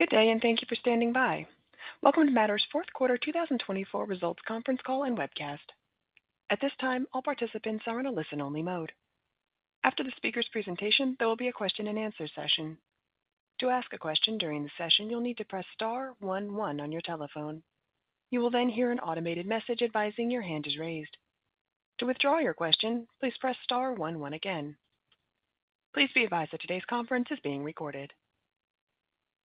Good day, and thank you for standing by. Welcome to Mattr's Fourth Quarter 2024 Results Conference Call and Webcast. At this time, all participants are in a listen-only mode. After the speaker's presentation, there will be a question-and-answer session. To ask a question during the session, you'll need to press star 11 on your telephone. You will then hear an automated message advising your hand is raised. To withdraw your question, please press star 11 again. Please be advised that today's conference is being recorded.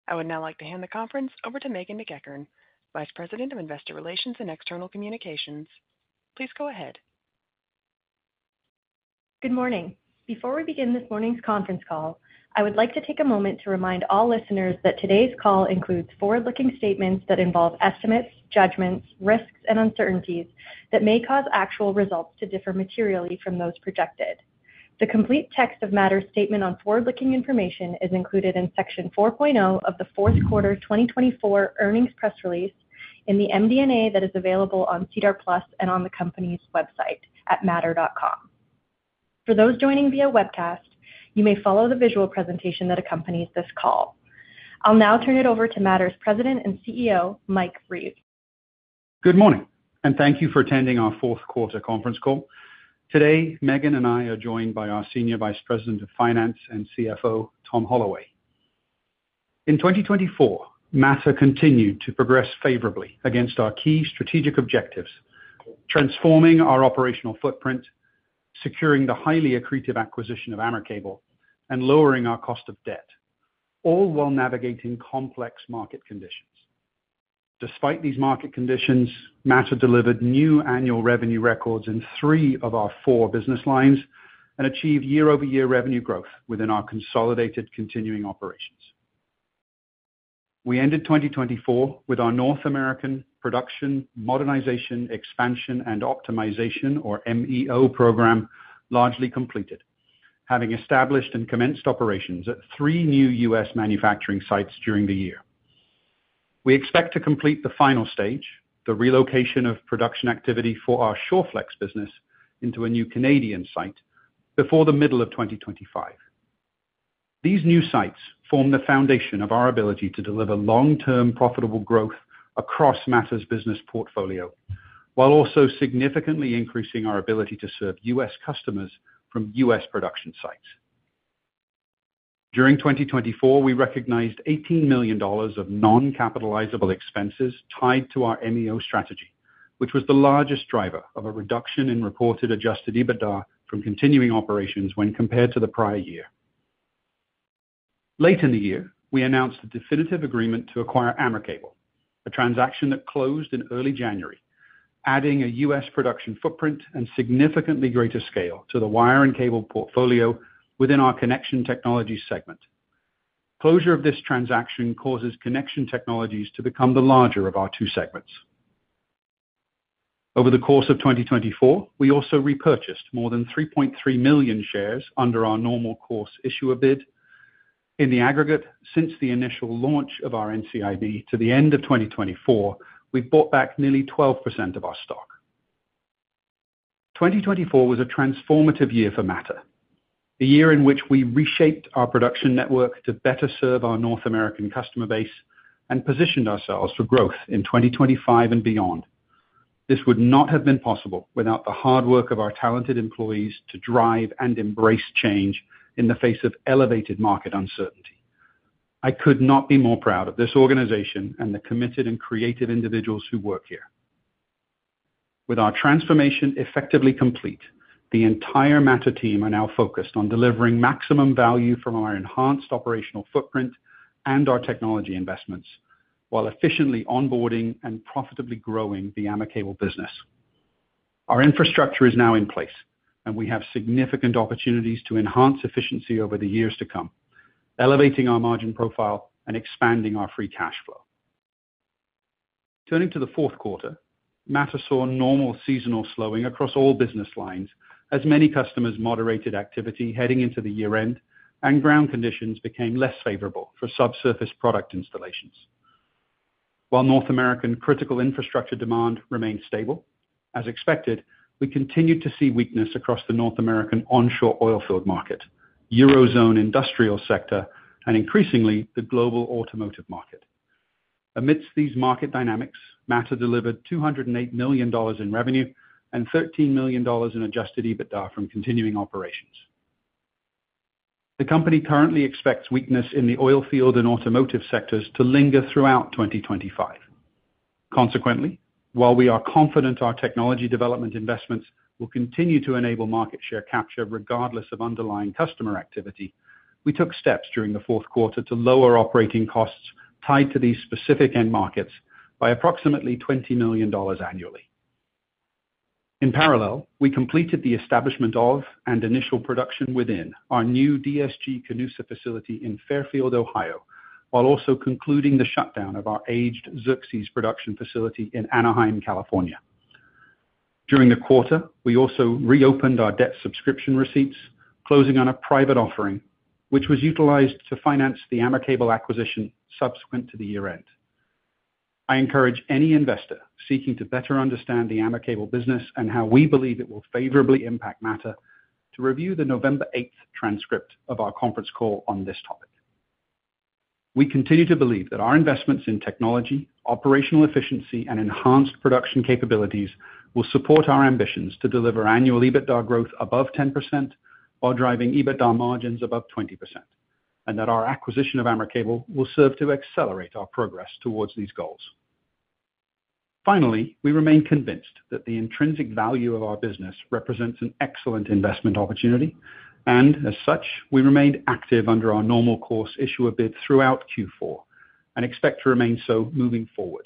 I would now like to hand the conference over to Meghan MacEachern, Vice President of Investor Relations and External Communications. Please go ahead. Good morning. Before we begin this morning's conference call, I would like to take a moment to remind all listeners that today's call includes forward-looking statements that involve estimates, judgments, risks, and uncertainties that may cause actual results to differ materially from those projected. The complete text of Mattr's statement on forward-looking information is included in Section 4.0 of the Fourth Quarter 2024 earnings press release in the MD&A that is available on Cedar Plus and on the company's website at mattr.com. For those joining via webcast, you may follow the visual presentation that accompanies this call. I'll now turn it over to Mattr's President and CEO, Mike Reeves. Good morning, and thank you for attending our Fourth Quarter Conference Call. Today, Meghan and I are joined by our Senior Vice President of Finance and CFO, Tom Holloway. In 2024, Mattr continued to progress favorably against our key strategic objectives: transforming our operational footprint, securing the highly accretive acquisition of Amicable, and lowering our cost of debt, all while navigating complex market conditions. Despite these market conditions, Mattr delivered new annual revenue records in three of our four business lines and achieved year-over-year revenue growth within our consolidated continuing operations. We ended 2024 with our North American Production Modernization, Expansion, and Optimization, or MEO, program largely completed, having established and commenced operations at three new U.S. manufacturing sites during the year. We expect to complete the final stage, the relocation of production activity for our Shoreflex business into a new Canadian site, before the middle of 2025. These new sites form the foundation of our ability to deliver long-term profitable growth across Mattr's business portfolio, while also significantly increasing our ability to serve U.S. customers from U.S. production sites. During 2024, we recognized 18 million dollars of non-capitalizable expenses tied to our MEO strategy, which was the largest driver of a reduction in reported adjusted EBITDA from continuing operations when compared to the prior year. Late in the year, we announced the definitive agreement to acquire Amicable, a transaction that closed in early January, adding a U.S. production footprint and significantly greater scale to the wire and cable portfolio within our connection technologies segment. Closure of this transaction causes connection technologies to become the larger of our two segments. Over the course of 2024, we also repurchased more than 3.3 million shares under our normal course issuer bid. In the aggregate, since the initial launch of our NCIB to the end of 2024, we've bought back nearly 12% of our stock. 2024 was a transformative year for Mattr, a year in which we reshaped our production network to better serve our North American customer base and positioned ourselves for growth in 2025 and beyond. This would not have been possible without the hard work of our talented employees to drive and embrace change in the face of elevated market uncertainty. I could not be more proud of this organization and the committed and creative individuals who work here. With our transformation effectively complete, the entire Mattr team are now focused on delivering maximum value from our enhanced operational footprint and our technology investments, while efficiently onboarding and profitably growing the Amicable business. Our infrastructure is now in place, and we have significant opportunities to enhance efficiency over the years to come, elevating our margin profile and expanding our free cash flow. Turning to the fourth quarter, Mattr saw normal seasonal slowing across all business lines as many customers moderated activity heading into the year-end, and ground conditions became less favorable for subsurface product installations. While North American critical infrastructure demand remained stable, as expected, we continued to see weakness across the North American onshore oilfield market, Eurozone industrial sector, and increasingly the global automotive market. Amidst these market dynamics, Mattr delivered $208 million in revenue and $13 million in adjusted EBITDA from continuing operations. The company currently expects weakness in the oilfield and automotive sectors to linger throughout 2025. Consequently, while we are confident our technology development investments will continue to enable market share capture regardless of underlying customer activity, we took steps during the fourth quarter to lower operating costs tied to these specific end markets by approximately 20 million dollars annually. In parallel, we completed the establishment of and initial production within our new DSG-Canusa facility in Fairfield, Ohio, while also concluding the shutdown of our aged Xerxes production facility in Anaheim, California. During the quarter, we also reopened our debt subscription receipts, closing on a private offering, which was utilized to finance the Amicable acquisition subsequent to the year-end. I encourage any investor seeking to better understand the Amicable business and how we believe it will favorably impact Mattr to review the November 8 transcript of our conference call on this topic. We continue to believe that our investments in technology, operational efficiency, and enhanced production capabilities will support our ambitions to deliver annual EBITDA growth above 10% while driving EBITDA margins above 20%, and that our acquisition of Amicable will serve to accelerate our progress towards these goals. Finally, we remain convinced that the intrinsic value of our business represents an excellent investment opportunity, and as such, we remained active under our normal course issuer bid throughout Q4 and expect to remain so moving forward.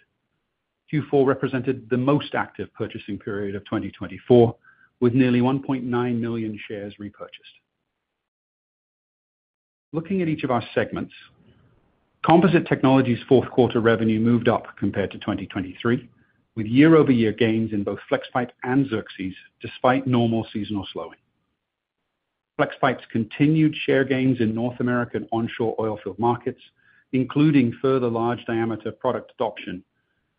Q4 represented the most active purchasing period of 2024, with nearly 1.9 million shares repurchased. Looking at each of our segments, Composite Technologies' fourth quarter revenue moved up compared to 2023, with year-over-year gains in both FlexPipe and Xerxes despite normal seasonal slowing. FlexPipe's continued share gains in North American onshore oilfield markets, including further large-diameter product adoption,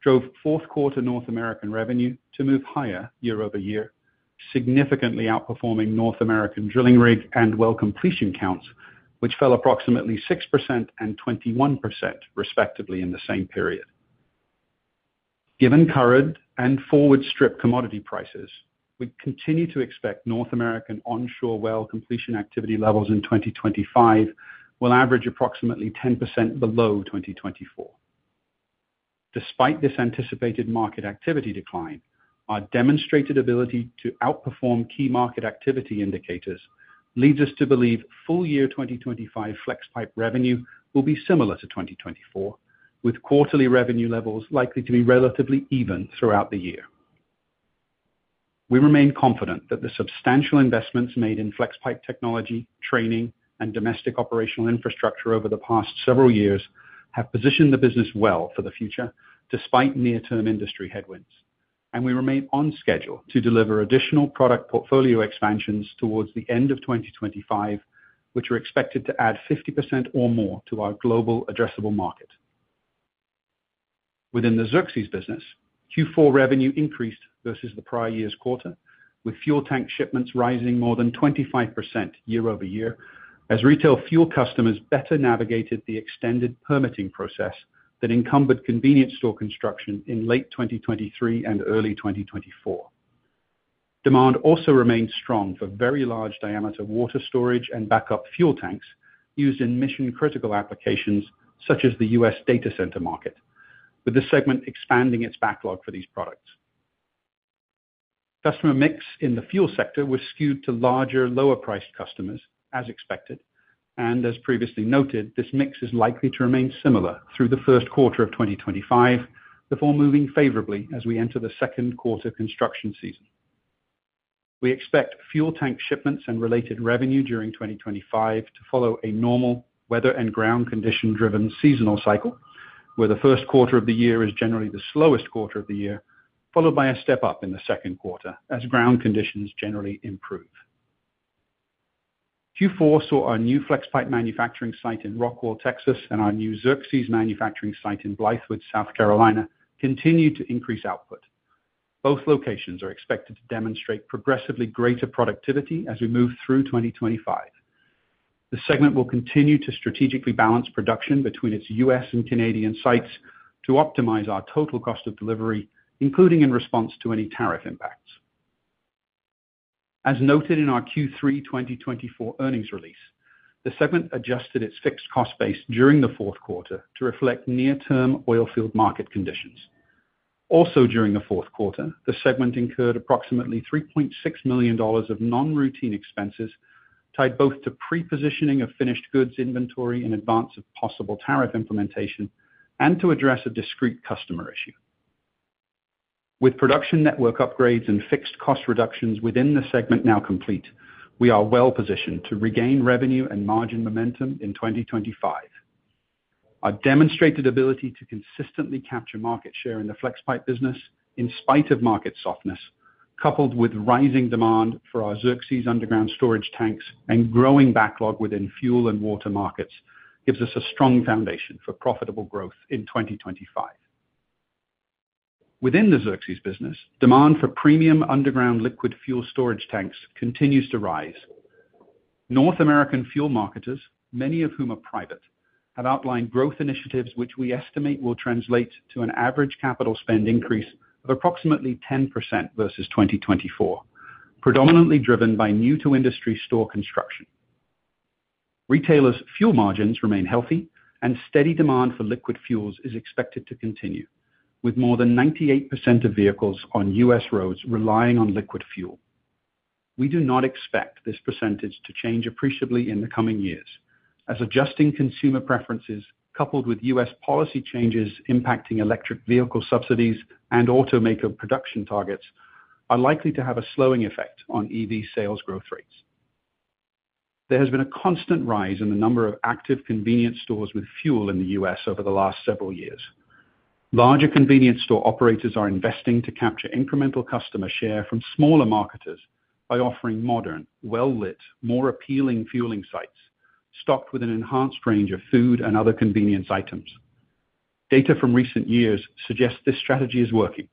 drove fourth quarter North American revenue to move higher year-over-year, significantly outperforming North American drilling rig and well completion counts, which fell approximately 6% and 21% respectively in the same period. Given current and forward-strip commodity prices, we continue to expect North American onshore well completion activity levels in 2025 will average approximately 10% below 2024. Despite this anticipated market activity decline, our demonstrated ability to outperform key market activity indicators leads us to believe full-year 2025 FlexPipe revenue will be similar to 2024, with quarterly revenue levels likely to be relatively even throughout the year. We remain confident that the substantial investments made in FlexPipe technology, training, and domestic operational infrastructure over the past several years have positioned the business well for the future despite near-term industry headwinds, and we remain on schedule to deliver additional product portfolio expansions towards the end of 2025, which are expected to add 50% or more to our global addressable market. Within the Xerxes business, Q4 revenue increased versus the prior year's quarter, with fuel tank shipments rising more than 25% year-over-year as retail fuel customers better navigated the extended permitting process that encumbered convenience store construction in late 2023 and early 2024. Demand also remained strong for very large-diameter water storage and backup fuel tanks used in mission-critical applications such as the U.S. data center market, with the segment expanding its backlog for these products. Customer mix in the fuel sector was skewed to larger, lower-priced customers, as expected, and as previously noted, this mix is likely to remain similar through the first quarter of 2025 before moving favorably as we enter the second quarter construction season. We expect fuel tank shipments and related revenue during 2025 to follow a normal weather and ground condition-driven seasonal cycle, where the first quarter of the year is generally the slowest quarter of the year, followed by a step up in the second quarter as ground conditions generally improve. Q4 saw our new FlexPipe manufacturing site in Rockwall, Texas, and our new Xerxes manufacturing site in Blythewood, South Carolina, continue to increase output. Both locations are expected to demonstrate progressively greater productivity as we move through 2025. The segment will continue to strategically balance production between its U.S. and Canadian sites to optimize our total cost of delivery, including in response to any tariff impacts. As noted in our Q3 2024 earnings release, the segment adjusted its fixed cost base during the fourth quarter to reflect near-term oilfield market conditions. Also during the fourth quarter, the segment incurred approximately $3.6 million of non-routine expenses tied both to pre-positioning of finished goods inventory in advance of possible tariff implementation and to address a discreet customer issue. With production network upgrades and fixed cost reductions within the segment now complete, we are well positioned to regain revenue and margin momentum in 2025. Our demonstrated ability to consistently capture market share in the FlexPipe business in spite of market softness, coupled with rising demand for our Xerxes underground storage tanks and growing backlog within fuel and water markets, gives us a strong foundation for profitable growth in 2025. Within the Xerxes business, demand for premium underground liquid fuel storage tanks continues to rise. North American fuel marketers, many of whom are private, have outlined growth initiatives which we estimate will translate to an average capital spend increase of approximately 10% versus 2024, predominantly driven by new-to-industry store construction. Retailers' fuel margins remain healthy, and steady demand for liquid fuels is expected to continue, with more than 98% of vehicles on U.S. roads relying on liquid fuel. We do not expect this percentage to change appreciably in the coming years, as adjusting consumer preferences coupled with U.S. policy changes impacting electric vehicle subsidies and automaker production targets are likely to have a slowing effect on EV sales growth rates. There has been a constant rise in the number of active convenience stores with fuel in the U.S. over the last several years. Larger convenience store operators are investing to capture incremental customer share from smaller marketers by offering modern, well-lit, more appealing fueling sites stocked with an enhanced range of food and other convenience items. Data from recent years suggest this strategy is working,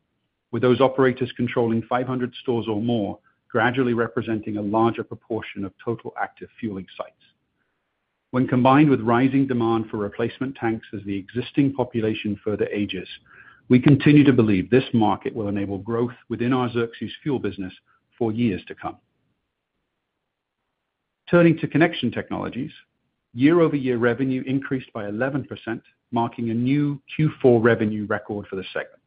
with those operators controlling 500 stores or more gradually representing a larger proportion of total active fueling sites. When combined with rising demand for replacement tanks as the existing population further ages, we continue to believe this market will enable growth within our Xerxes fuel business for years to come. Turning to connection technologies, year-over-year revenue increased by 11%, marking a new Q4 revenue record for the segment.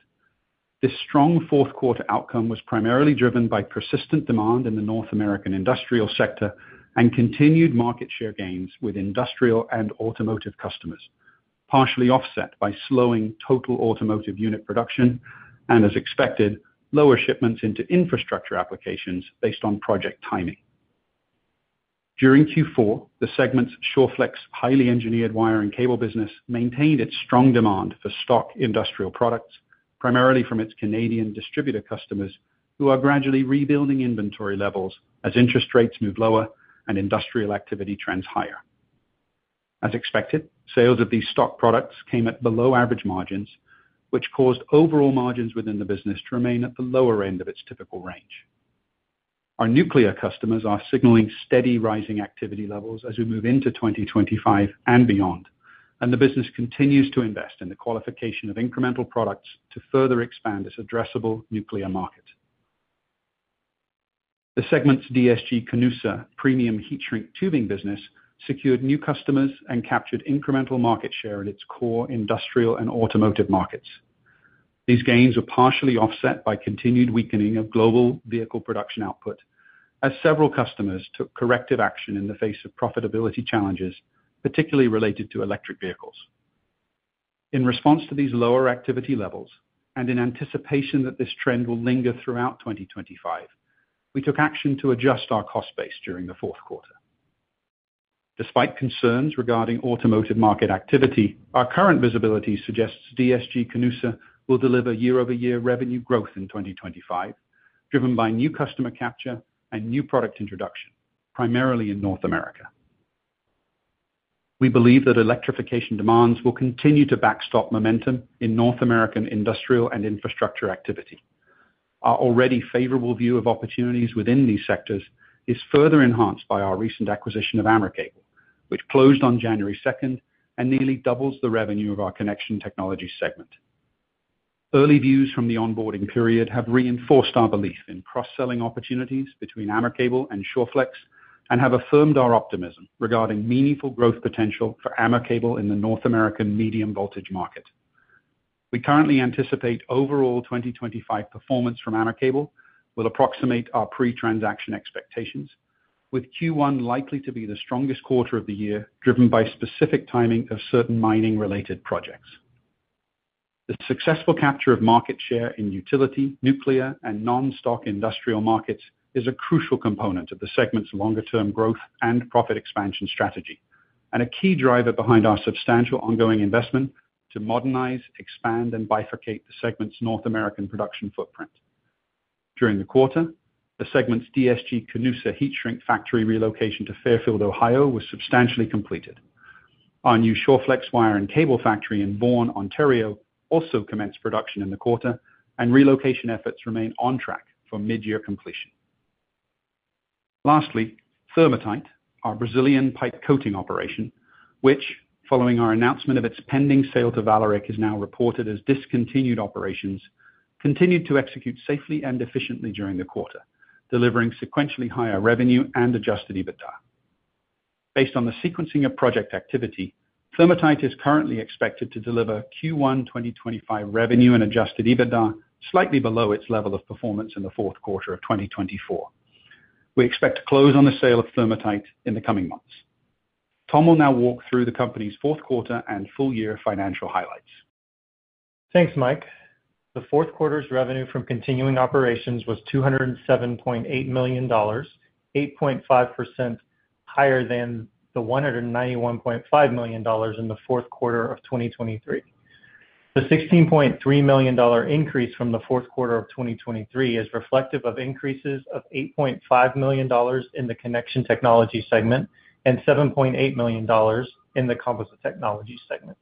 This strong fourth quarter outcome was primarily driven by persistent demand in the North American industrial sector and continued market share gains with industrial and automotive customers, partially offset by slowing total automotive unit production and, as expected, lower shipments into infrastructure applications based on project timing. During Q4, the segment's Shoreflex highly engineered wire and cable business maintained its strong demand for stock industrial products, primarily from its Canadian distributor customers who are gradually rebuilding inventory levels as interest rates move lower and industrial activity trends higher. As expected, sales of these stock products came at below-average margins, which caused overall margins within the business to remain at the lower end of its typical range. Our nuclear customers are signaling steady rising activity levels as we move into 2025 and beyond, and the business continues to invest in the qualification of incremental products to further expand its addressable nuclear market. The segment's DSG-Canusa premium heat-shrink tubing business secured new customers and captured incremental market share in its core industrial and automotive markets. These gains were partially offset by continued weakening of global vehicle production output as several customers took corrective action in the face of profitability challenges, particularly related to electric vehicles. In response to these lower activity levels and in anticipation that this trend will linger throughout 2025, we took action to adjust our cost base during the fourth quarter. Despite concerns regarding automotive market activity, our current visibility suggests DSG-Canusa will deliver year-over-year revenue growth in 2025, driven by new customer capture and new product introduction, primarily in North America. We believe that electrification demands will continue to backstop momentum in North American industrial and infrastructure activity. Our already favorable view of opportunities within these sectors is further enhanced by our recent acquisition of Amicable, which closed on January 2 and nearly doubles the revenue of our connection technology segment. Early views from the onboarding period have reinforced our belief in cross-selling opportunities between Amicable and Shoreflex and have affirmed our optimism regarding meaningful growth potential for Amicable in the North American medium-voltage market. We currently anticipate overall 2025 performance from Amicable will approximate our pre-transaction expectations, with Q1 likely to be the strongest quarter of the year driven by specific timing of certain mining-related projects. The successful capture of market share in utility, nuclear, and non-stock industrial markets is a crucial component of the segment's longer-term growth and profit expansion strategy and a key driver behind our substantial ongoing investment to modernize, expand, and bifurcate the segment's North American production footprint. During the quarter, the segment's DSG-Canusa heat-shrink factory relocation to Fairfield, Ohio, was substantially completed. Our new Shoreflex wire and cable factory in Bourne, Ontario, also commenced production in the quarter, and relocation efforts remain on track for mid-year completion. Lastly, Thermatite, our Brazilian pipe coating operation, which, following our announcement of its pending sale to Vallourec, is now reported as discontinued operations, continued to execute safely and efficiently during the quarter, delivering sequentially higher revenue and adjusted EBITDA. Based on the sequencing of project activity, Thermatite is currently expected to deliver Q1 2025 revenue and adjusted EBITDA slightly below its level of performance in the fourth quarter of 2024. We expect to close on the sale of Thermatite in the coming months. Tom will now walk through the company's fourth quarter and full-year financial highlights. Thanks, Mike. The fourth quarter's revenue from continuing operations was 207.8 million dollars, 8.5% higher than the CAD 191.5 million in the fourth quarter of 2023. The 16.3 million dollar increase from the fourth quarter of 2023 is reflective of increases of 8.5 million dollars in the connection technology segment and 7.8 million dollars in the composite technology segment.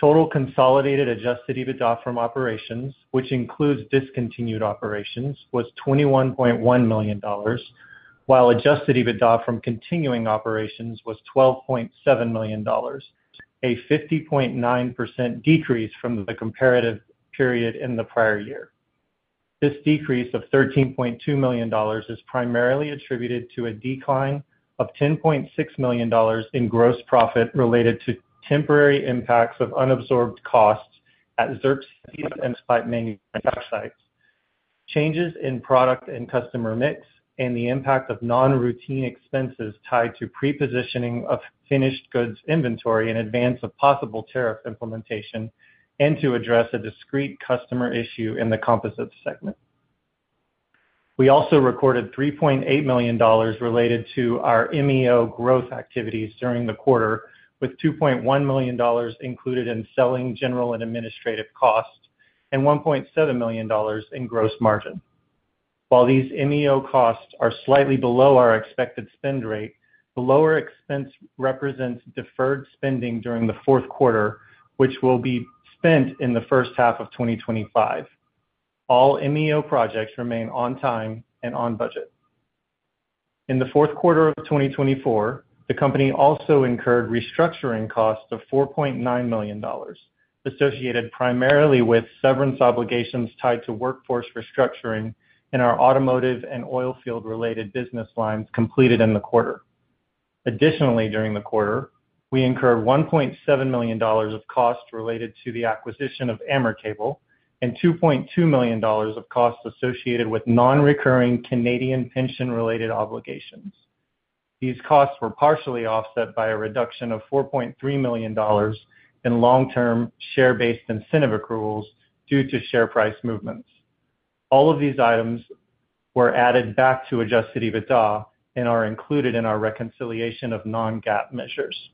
Total consolidated adjusted EBITDA from operations, which includes discontinued operations, was 21.1 million dollars, while adjusted EBITDA from continuing operations was 12.7 million dollars, a 50.9% decrease from the comparative period in the prior year. This decrease of $13.2 million is primarily attributed to a decline of $10.6 million in gross profit related to temporary impacts of unabsorbed costs at Xerxes and pipe manufacturing sites, changes in product and customer mix, and the impact of non-routine expenses tied to pre-positioning of finished goods inventory in advance of possible tariff implementation and to address a discrete customer issue in the composite segment. We also recorded $3.8 million related to our MEO growth activities during the quarter, with $2.1 million included in selling, general and administrative costs and $1.7 million in gross margin. While these MEO costs are slightly below our expected spend rate, the lower expense represents deferred spending during the fourth quarter, which will be spent in the first half of 2025. All MEO projects remain on time and on budget. In the fourth quarter of 2024, the company also incurred restructuring costs of 4.9 million dollars, associated primarily with severance obligations tied to workforce restructuring in our automotive and oilfield-related business lines completed in the quarter. Additionally, during the quarter, we incurred 1.7 million dollars of costs related to the acquisition of Amicable and 2.2 million dollars of costs associated with non-recurring Canadian pension-related obligations. These costs were partially offset by a reduction of 4.3 million dollars in long-term share-based incentive accruals due to share price movements. All of these items were added back to adjusted EBITDA and are included in our reconciliation of non-GAAP measures.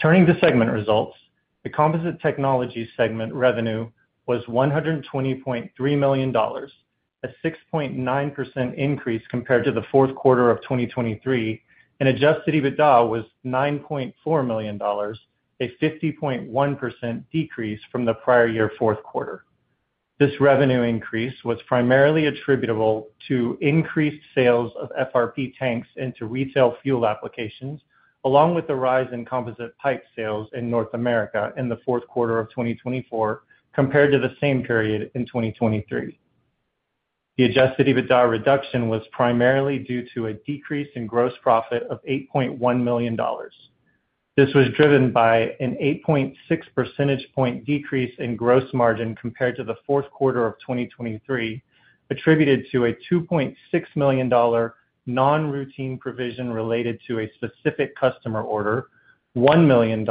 Turning to segment results, the Composite Technologies segment revenue was 120.3 million dollars, a 6.9% increase compared to the fourth quarter of 2023, and adjusted EBITDA was 9.4 million dollars, a 50.1% decrease from the prior year fourth quarter. This revenue increase was primarily attributable to increased sales of FRP tanks into retail fuel applications, along with the rise in composite pipe sales in North America in the fourth quarter of 2024 compared to the same period in 2023. The adjusted EBITDA reduction was primarily due to a decrease in gross profit of $8.1 million. This was driven by an 8.6 percentage point decrease in gross margin compared to the fourth quarter of 2023, attributed to a $2.6 million non-routine provision related to a specific customer order, $1 million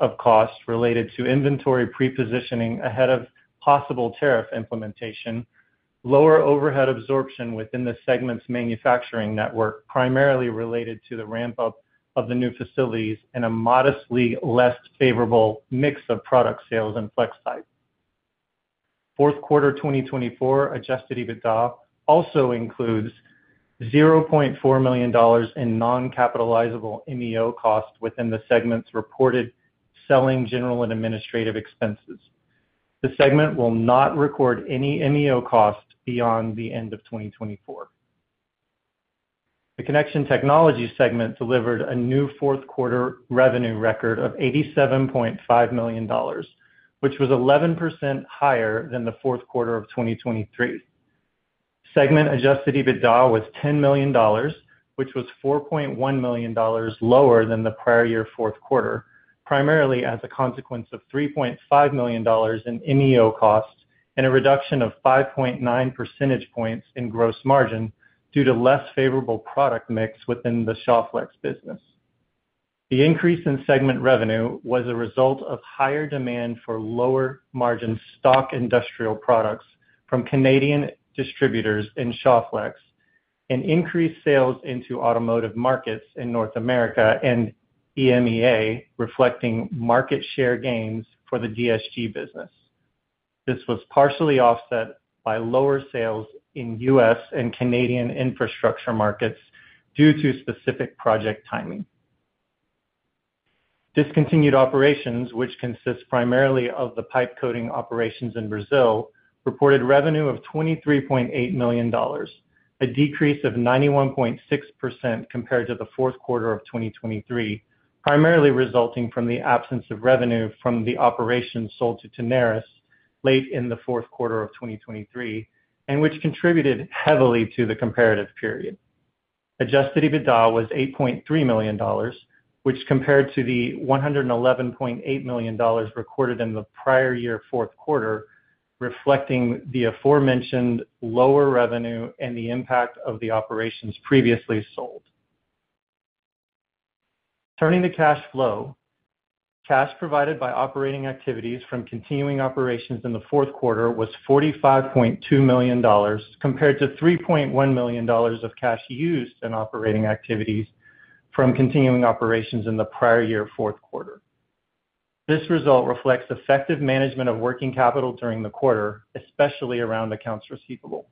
of costs related to inventory pre-positioning ahead of possible tariff implementation, lower overhead absorption within the segment's manufacturing network primarily related to the ramp-up of the new facilities, and a modestly less favorable mix of product sales and flex type. Fourth Quarter 2024 adjusted EBITDA also includes $0.4 million in non-capitalizable MEO costs within the segment's reported selling, general, and administrative expenses. The segment will not record any MEO costs beyond the end of 2024. The connection technology segment delivered a new Fourth Quarter revenue record of $87.5 million, which was 11% higher than the Fourth Quarter of 2023. Segment adjusted EBITDA was $10 million, which was $4.1 million lower than the prior year Fourth Quarter, primarily as a consequence of $3.5 million in MEO costs and a reduction of 5.9 percentage points in gross margin due to less favorable product mix within the Shoreflex business. The increase in segment revenue was a result of higher demand for lower-margin stock industrial products from Canadian distributors in Shoreflex and increased sales into automotive markets in North America and EMEA, reflecting market share gains for the DSG business. This was partially offset by lower sales in U.S. and Canadian infrastructure markets due to specific project timing. Discontinued operations, which consist primarily of the pipe coating operations in Brazil, reported revenue of 23.8 million dollars, a decrease of 91.6% compared to the fourth quarter of 2023, primarily resulting from the absence of revenue from the operations sold to Tenaris late in the fourth quarter of 2023, and which contributed heavily to the comparative period. Adjusted EBITDA was 8.3 million dollars, which compared to the 111.8 million dollars recorded in the prior year fourth quarter, reflecting the aforementioned lower revenue and the impact of the operations previously sold. Turning to cash flow, cash provided by operating activities from continuing operations in the fourth quarter was 45.2 million dollars compared to 3.1 million dollars of cash used in operating activities from continuing operations in the prior year fourth quarter. This result reflects effective management of working capital during the quarter, especially around accounts receivable.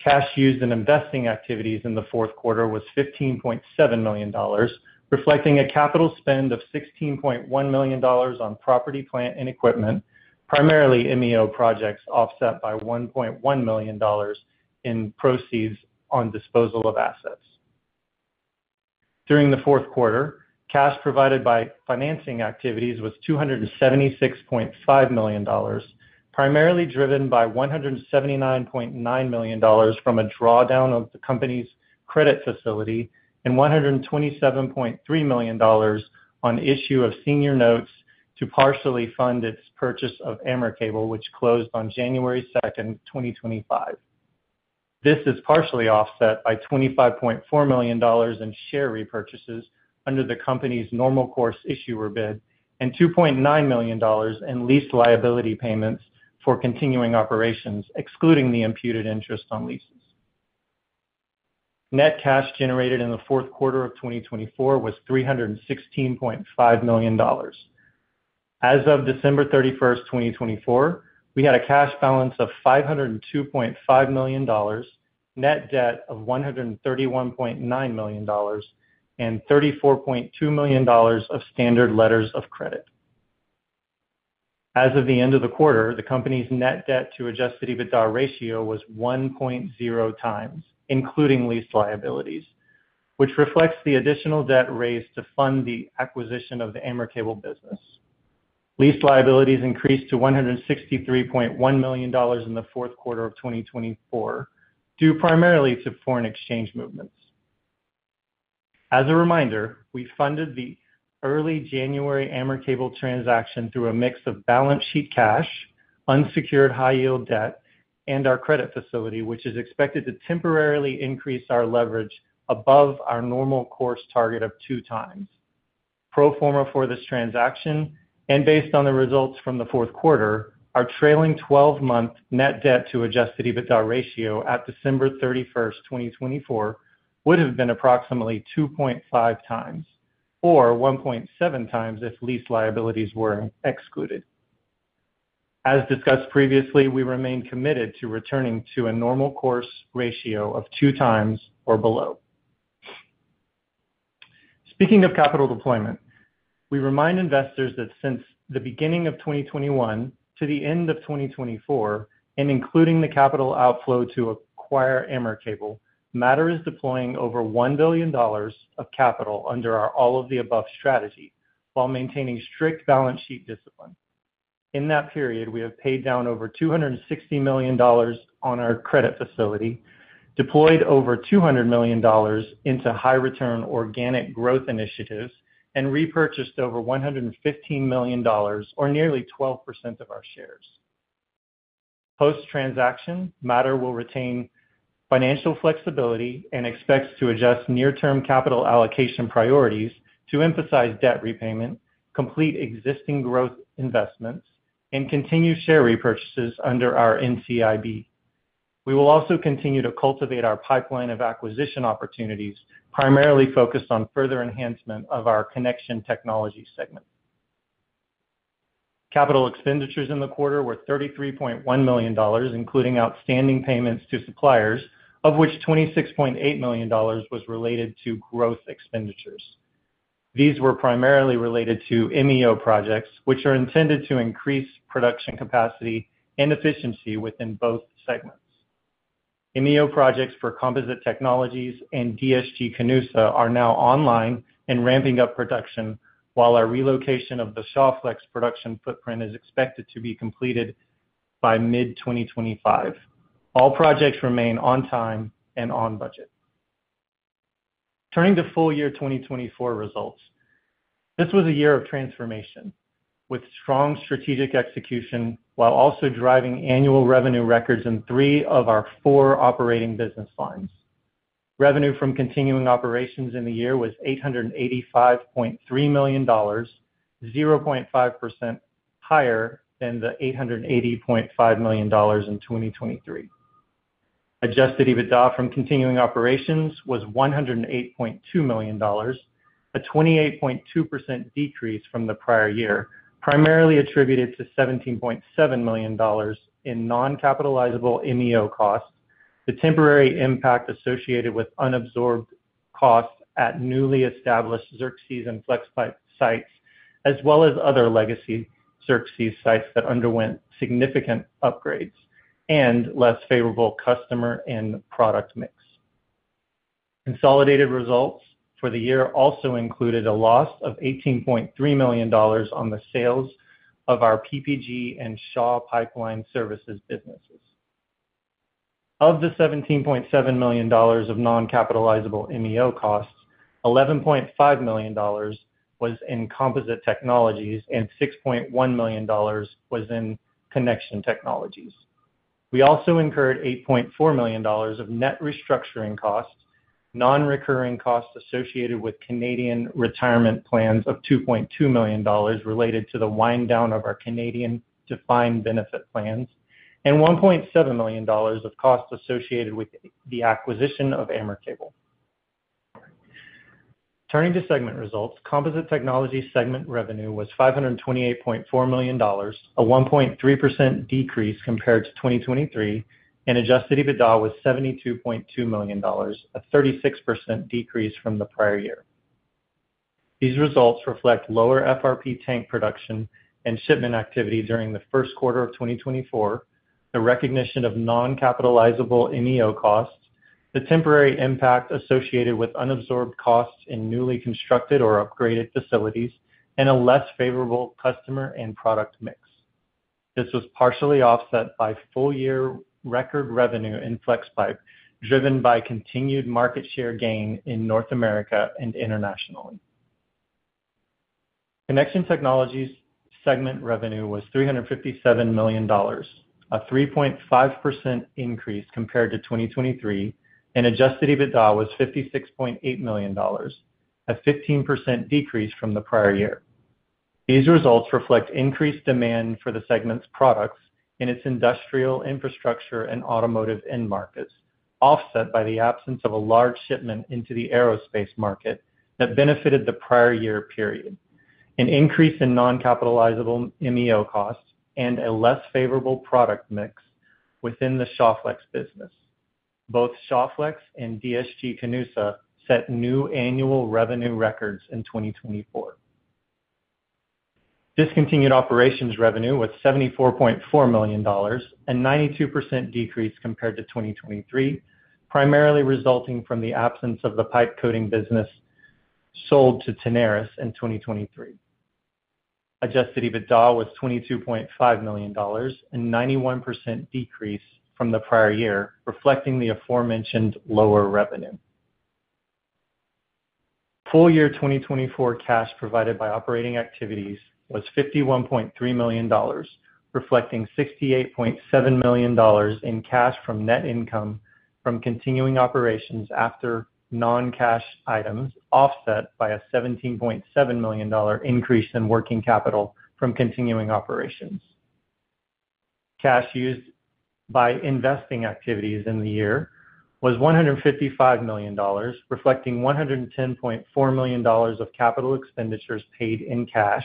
Cash used in investing activities in the fourth quarter was 15.7 million dollars, reflecting a capital spend of 16.1 million dollars on property, plant, and equipment, primarily MEO projects, offset by 1.1 million dollars in proceeds on disposal of assets. During the fourth quarter, cash provided by financing activities was 276.5 million dollars, primarily driven by 179.9 million dollars from a drawdown of the company's credit facility and 127.3 million dollars on issue of senior notes to partially fund its purchase of Amicable, which closed on January 2, 2025. This is partially offset by 25.4 million dollars in share repurchases under the company's normal course issuer bid and 2.9 million dollars in lease liability payments for continuing operations, excluding the imputed interest on leases. Net cash generated in the fourth quarter of 2024 was 316.5 million dollars. As of December 31, 2024, we had a cash balance of 502.5 million dollars, net debt of 131.9 million dollars, and 34.2 million dollars of standard letters of credit. As of the end of the quarter, the company's net debt to adjusted EBITDA ratio was 1.0 times, including lease liabilities, which reflects the additional debt raised to fund the acquisition of the Amicable business. Lease liabilities increased to 163.1 million dollars in the fourth quarter of 2024 due primarily to foreign exchange movements. As a reminder, we funded the early January Amicable transaction through a mix of balance sheet cash, unsecured high-yield debt, and our credit facility, which is expected to temporarily increase our leverage above our normal course target of two times. Pro forma for this transaction, and based on the results from the fourth quarter, our trailing 12-month net debt to adjusted EBITDA ratio at December 31, 2024, would have been approximately 2.5 times or 1.7 times if lease liabilities were excluded. As discussed previously, we remain committed to returning to a normal course ratio of two times or below. Speaking of capital deployment, we remind investors that since the beginning of 2021 to the end of 2024, and including the capital outflow to acquire Amicable, Mattr is deploying over 1 billion dollars of capital under our all-of-the-above strategy while maintaining strict balance sheet discipline. In that period, we have paid down over 260 million dollars on our credit facility, deployed over 200 million dollars into high-return organic growth initiatives, and repurchased over 115 million dollars, or nearly 12% of our shares. Post-transaction, Mattr will retain financial flexibility and expects to adjust near-term capital allocation priorities to emphasize debt repayment, complete existing growth investments, and continue share repurchases under our NCIB. We will also continue to cultivate our pipeline of acquisition opportunities, primarily focused on further enhancement of our connection technology segment. Capital expenditures in the quarter were 33.1 million dollars, including outstanding payments to suppliers, of which 26.8 million dollars was related to growth expenditures. These were primarily related to MEO projects, which are intended to increase production capacity and efficiency within both segments. MEO projects for Composite Technologies and DSG-Canusa are now online and ramping up production, while our relocation of the Shoreflex production footprint is expected to be completed by mid-2025. All projects remain on time and on budget. Turning to full year 2024 results, this was a year of transformation with strong strategic execution while also driving annual revenue records in three of our four operating business lines. Revenue from continuing operations in the year was 885.3 million dollars, 0.5% higher than the 880.5 million dollars in 2023. Adjusted EBITDA from continuing operations was 108.2 million dollars, a 28.2% decrease from the prior year, primarily attributed to 17.7 million dollars in non-capitalizable MEO costs, the temporary impact associated with unabsorbed costs at newly established Xerxes and FlexPipe sites, as well as other legacy Xerxes sites that underwent significant upgrades and less favorable customer and product mix. Consolidated results for the year also included a loss of 18.3 million dollars on the sales of our PPG and Shawflex pipeline services businesses. Of the 17.7 million dollars of non-capitalizable MEO costs, 11.5 million dollars was in Composite Technologies and 6.1 million dollars was in Connection Technologies. We also incurred 8.4 million dollars of net restructuring costs, non-recurring costs associated with Canadian retirement plans of 2.2 million dollars related to the wind-down of our Canadian defined benefit plans, and 1.7 million dollars of costs associated with the acquisition of Amicable. Turning to segment results, Composite Technologies segment revenue was 528.4 million dollars, a 1.3% decrease compared to 2023, and adjusted EBITDA was 72.2 million dollars, a 36% decrease from the prior year. These results reflect lower FRP tank production and shipment activity during the first quarter of 2024, the recognition of non-capitalizable MEO costs, the temporary impact associated with unabsorbed costs in newly constructed or upgraded facilities, and a less favorable customer and product mix. This was partially offset by full year record revenue in FlexPipe driven by continued market share gain in North America and internationally. Connection Technologies segment revenue was 357 million dollars, a 3.5% increase compared to 2023, and adjusted EBITDA was 56.8 million dollars, a 15% decrease from the prior year. These results reflect increased demand for the segment's products in its industrial infrastructure and automotive end markets, offset by the absence of a large shipment into the aerospace market that benefited the prior year period, an increase in non-capitalizable MEO costs, and a less favorable product mix within the Shoreflex business. Both Shoreflex and DSG-Canusa set new annual revenue records in 2024. Discontinued operations revenue was 74.4 million dollars, a 92% decrease compared to 2023, primarily resulting from the absence of the pipe coating business sold to Tenaris in 2023. Adjusted EBITDA was 22.5 million dollars, a 91% decrease from the prior year, reflecting the aforementioned lower revenue. Full year 2024 cash provided by operating activities was 51.3 million dollars, reflecting 68.7 million dollars in cash from net income from continuing operations after non-cash items, offset by a 17.7 million dollar increase in working capital from continuing operations. Cash used by investing activities in the year was 155 million dollars, reflecting 110.4 million dollars of capital expenditures paid in cash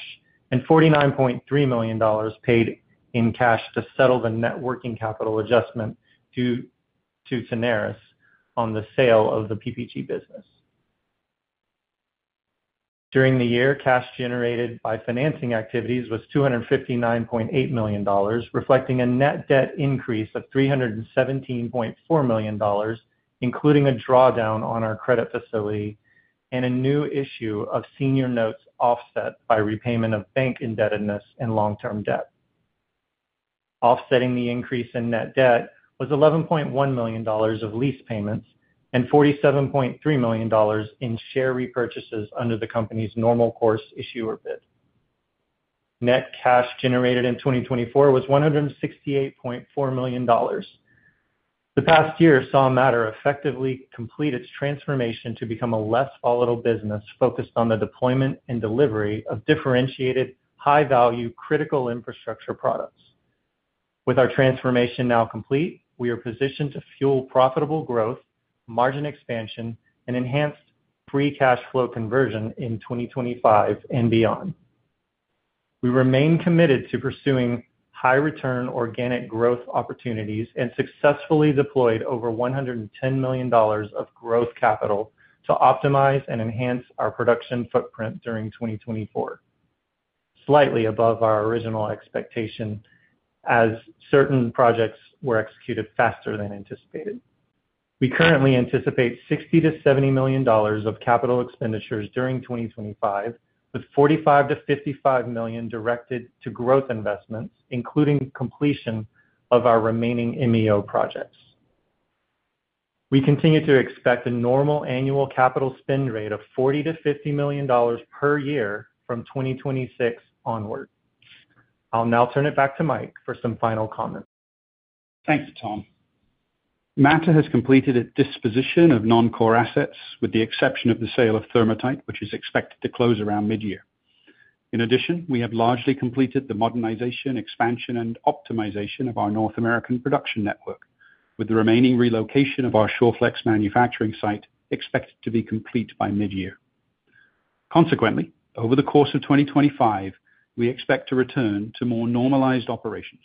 and 49.3 million dollars paid in cash to settle the net working capital adjustment to Tenaris on the sale of the PPG business. During the year, cash generated by financing activities was 259.8 million dollars, reflecting a net debt increase of 317.4 million dollars, including a drawdown on our credit facility and a new issue of senior notes offset by repayment of bank indebtedness and long-term debt. Offsetting the increase in net debt was 11.1 million dollars of lease payments and 47.3 million dollars in share repurchases under the company's normal course issuer bid. Net cash generated in 2024 was 168.4 million dollars. The past year saw Mattr effectively complete its transformation to become a less volatile business focused on the deployment and delivery of differentiated, high-value, critical infrastructure products. With our transformation now complete, we are positioned to fuel profitable growth, margin expansion, and enhanced free cash flow conversion in 2025 and beyond. We remain committed to pursuing high-return organic growth opportunities and successfully deployed over 110 million dollars of growth capital to optimize and enhance our production footprint during 2024, slightly above our original expectation as certain projects were executed faster than anticipated. We currently anticipate 60-70 million dollars of capital expenditures during 2025, with 45-55 million directed to growth investments, including completion of our remaining MEO projects. We continue to expect a normal annual capital spend rate of 40-50 million dollars per year from 2026 onward. I'll now turn it back to Mike for some final comments. Thanks, Tom. Mattr has completed its disposition of non-core assets, with the exception of the sale of Thermatite, which is expected to close around mid-year. In addition, we have largely completed the modernization, expansion, and optimization of our North American production network, with the remaining relocation of our Shoreflex manufacturing site expected to be complete by mid-year. Consequently, over the course of 2025, we expect to return to more normalized operations,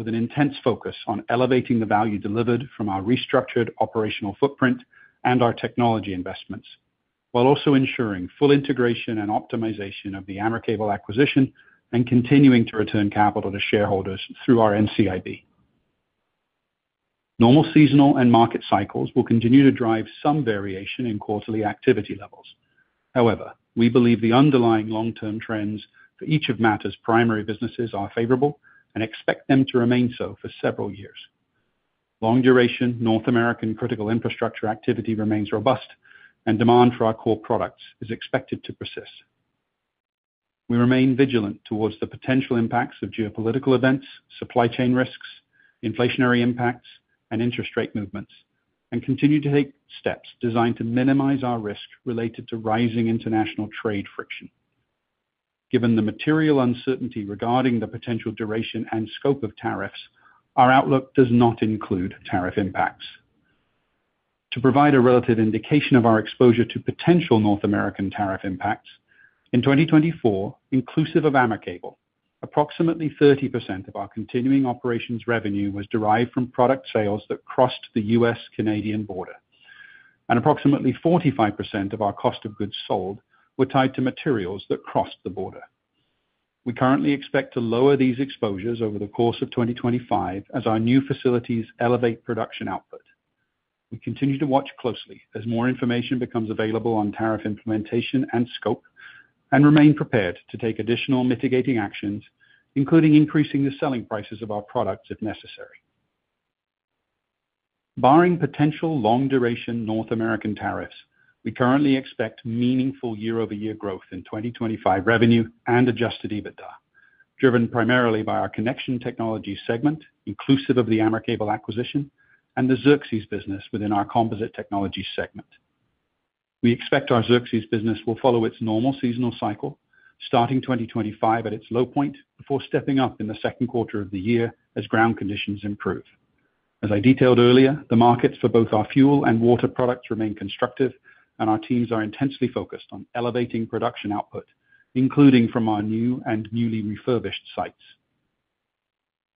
with an intense focus on elevating the value delivered from our restructured operational footprint and our technology investments, while also ensuring full integration and optimization of the Amicable acquisition and continuing to return capital to shareholders through our NCIB. Normal seasonal and market cycles will continue to drive some variation in quarterly activity levels. However, we believe the underlying long-term trends for each of Mattr's primary businesses are favorable and expect them to remain so for several years. Long-duration North American critical infrastructure activity remains robust, and demand for our core products is expected to persist. We remain vigilant towards the potential impacts of geopolitical events, supply chain risks, inflationary impacts, and interest rate movements, and continue to take steps designed to minimize our risk related to rising international trade friction. Given the material uncertainty regarding the potential duration and scope of tariffs, our outlook does not include tariff impacts. To provide a relative indication of our exposure to potential North American tariff impacts, in 2024, inclusive of Amicable, approximately 30% of our continuing operations revenue was derived from product sales that crossed the U.S.-Canadian border, and approximately 45% of our cost of goods sold were tied to materials that crossed the border. We currently expect to lower these exposures over the course of 2025 as our new facilities elevate production output. We continue to watch closely as more information becomes available on tariff implementation and scope and remain prepared to take additional mitigating actions, including increasing the selling prices of our products if necessary. Barring potential long-duration North American tariffs, we currently expect meaningful year-over-year growth in 2025 revenue and adjusted EBITDA, driven primarily by our connection technology segment, inclusive of the Amicable acquisition and the Xerxes business within our composite technology segment. We expect our Xerxes business will follow its normal seasonal cycle, starting 2025 at its low point, before stepping up in the second quarter of the year as ground conditions improve. As I detailed earlier, the markets for both our fuel and water products remain constructive, and our teams are intensely focused on elevating production output, including from our new and newly refurbished sites.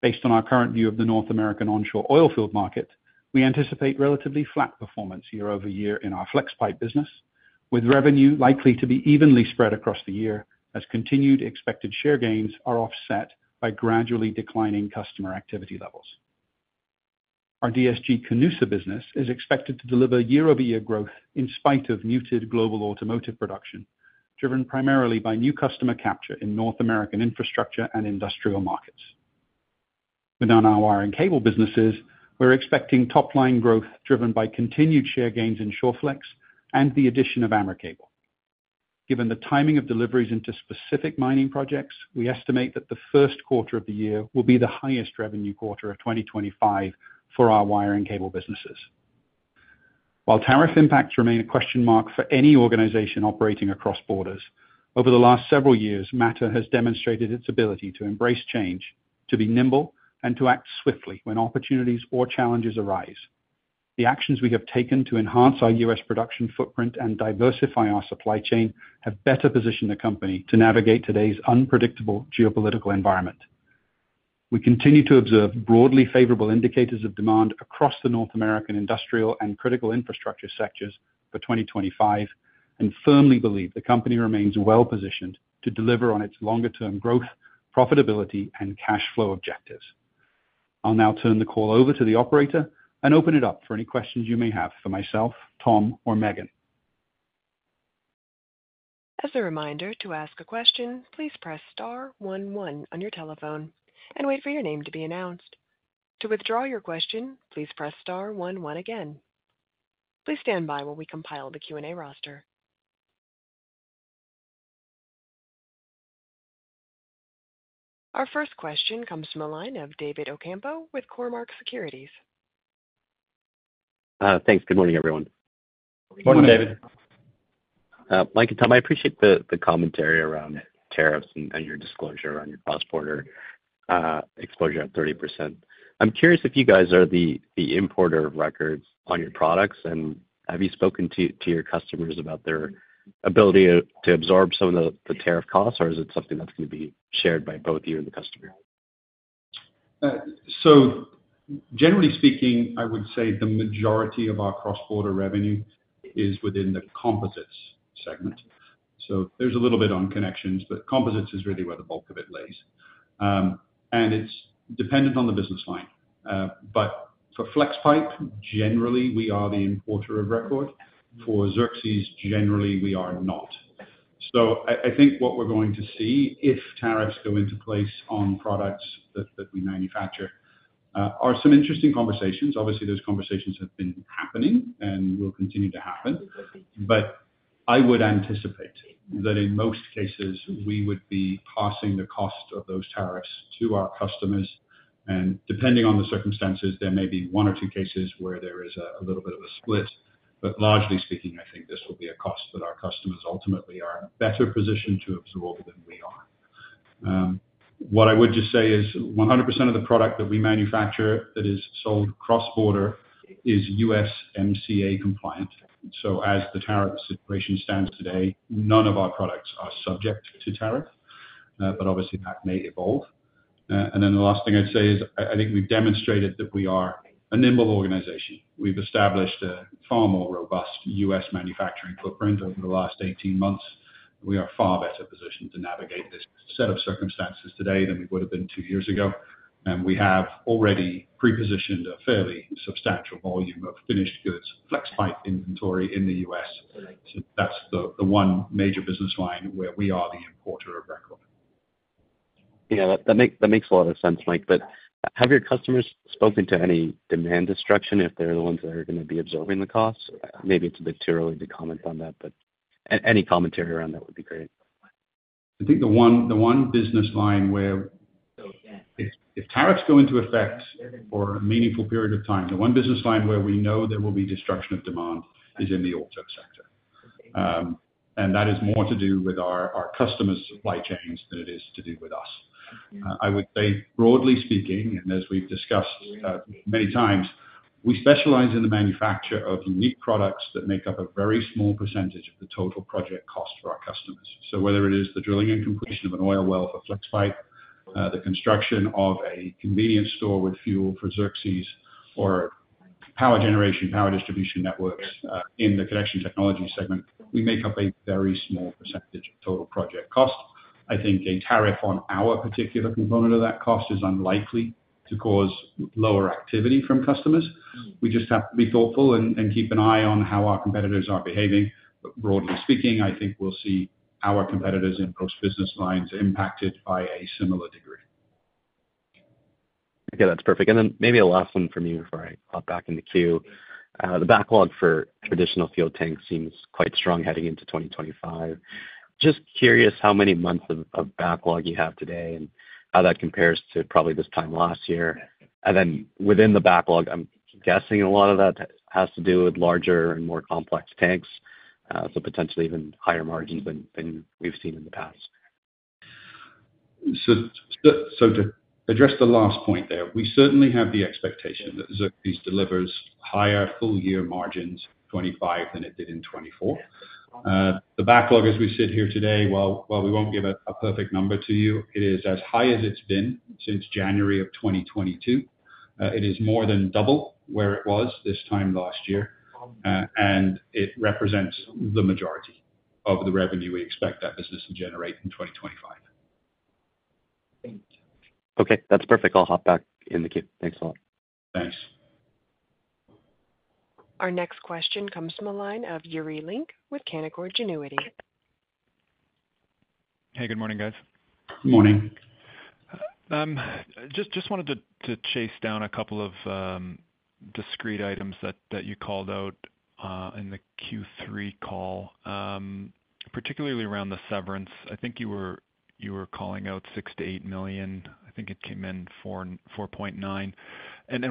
Based on our current view of the North American onshore oil field market, we anticipate relatively flat performance year-over-year in our FlexPipe business, with revenue likely to be evenly spread across the year as continued expected share gains are offset by gradually declining customer activity levels. Our DSG-Canusa business is expected to deliver year-over-year growth in spite of muted global automotive production, driven primarily by new customer capture in North American infrastructure and industrial markets. Within our wire and cable businesses, we're expecting top-line growth driven by continued share gains in Shoreflex and the addition of Amicable. Given the timing of deliveries into specific mining projects, we estimate that the first quarter of the year will be the highest revenue quarter of 2025 for our wire and cable businesses. While tariff impacts remain a question mark for any organization operating across borders, over the last several years, Mattr has demonstrated its ability to embrace change, to be nimble, and to act swiftly when opportunities or challenges arise. The actions we have taken to enhance our U.S. production footprint and diversify our supply chain have better positioned the company to navigate today's unpredictable geopolitical environment. We continue to observe broadly favorable indicators of demand across the North American industrial and critical infrastructure sectors for 2025 and firmly believe the company remains well-positioned to deliver on its longer-term growth, profitability, and cash flow objectives. I'll now turn the call over to the operator and open it up for any questions you may have for myself, Tom, or Meghan. As a reminder to ask a question, please press star 11 on your telephone and wait for your name to be announced. To withdraw your question, please press star 11 again. Please stand by while we compile the Q&A roster. Our first question comes from David Ocampo with Cormark Securities. Thanks. Good morning, everyone. Morning, David. Mike and Tom, I appreciate the commentary around tariffs and your disclosure around your cross-border exposure at 30%. I'm curious if you guys are the importer of records on your products, and have you spoken to your customers about their ability to absorb some of the tariff costs, or is it something that's going to be shared by both you and the customer? Generally speaking, I would say the majority of our cross-border revenue is within the composites segment. There is a little bit on connections, but composites is really where the bulk of it lays. It is dependent on the business line. For FlexPipe, generally, we are the importer of record. For Xerxes, generally, we are not. I think what we are going to see if tariffs go into place on products that we manufacture are some interesting conversations. Obviously, those conversations have been happening and will continue to happen. I would anticipate that in most cases, we would be passing the cost of those tariffs to our customers. Depending on the circumstances, there may be one or two cases where there is a little bit of a split. Largely speaking, I think this will be a cost that our customers ultimately are in a better position to absorb than we are. What I would just say is 100% of the product that we manufacture that is sold cross-border is USMCA compliant. As the tariff situation stands today, none of our products are subject to tariff. Obviously, that may evolve. The last thing I'd say is I think we've demonstrated that we are a nimble organization. We've established a far more robust U.S. manufacturing footprint over the last 18 months. We are far better positioned to navigate this set of circumstances today than we would have been two years ago. We have already pre-positioned a fairly substantial volume of finished goods FlexPipe inventory in the U.S. That's the one major business line where we are the importer of record. Yeah, that makes a lot of sense, Mike. Have your customers spoken to any demand destruction if they're the ones that are going to be absorbing the costs? Maybe it's a bit too early to comment on that, but any commentary around that would be great. I think the one business line where if tariffs go into effect for a meaningful period of time, the one business line where we know there will be destruction of demand is in the old tech sector. That is more to do with our customers' supply chains than it is to do with us. I would say, broadly speaking, and as we've discussed many times, we specialize in the manufacture of unique products that make up a very small percentage of the total project cost for our customers. Whether it is the drilling and completion of an oil well for FlexPipe, the construction of a convenience store with fuel for Xerxes, or power generation, power distribution networks in the Connection Technologies segment, we make up a very small percentage of total project cost. I think a tariff on our particular component of that cost is unlikely to cause lower activity from customers. We just have to be thoughtful and keep an eye on how our competitors are behaving. Broadly speaking, I think we'll see our competitors in most business lines impacted by a similar degree. Okay, that's perfect. Maybe a last one from you before I hop back into queue. The backlog for traditional fuel tanks seems quite strong heading into 2025. Just curious how many months of backlog you have today and how that compares to probably this time last year. Within the backlog, I'm guessing a lot of that has to do with larger and more complex tanks, so potentially even higher margins than we've seen in the past. To address the last point there, we certainly have the expectation that Xerxes delivers higher full-year margins in 2025 than it did in 2024. The backlog, as we sit here today, while we won't give a perfect number to you, it is as high as it's been since January of 2022. It is more than double where it was this time last year, and it represents the majority of the revenue we expect that business to generate in 2025. Okay, that's perfect. I'll hop back in the queue. Thanks a lot. Thanks. Our next question comes from a line of Yuri Lynk with Canaccord Genuity. Hey, good morning, guys. Good morning. Just wanted to chase down a couple of discrete items that you called out in the Q3 call, particularly around the severance. I think you were calling out 6 million-8 million. I think it came in 4.9 million.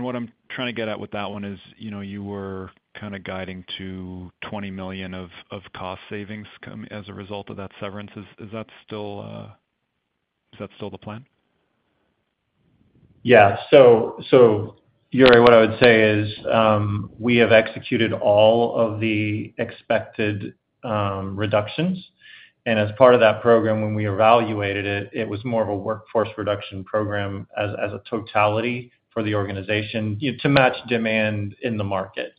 What I'm trying to get at with that one is you were kind of guiding to 20 million of cost savings as a result of that severance. Is that still the plan? Yeah. What I would say is we have executed all of the expected reductions. As part of that program, when we evaluated it, it was more of a workforce reduction program as a totality for the organization to match demand in the market.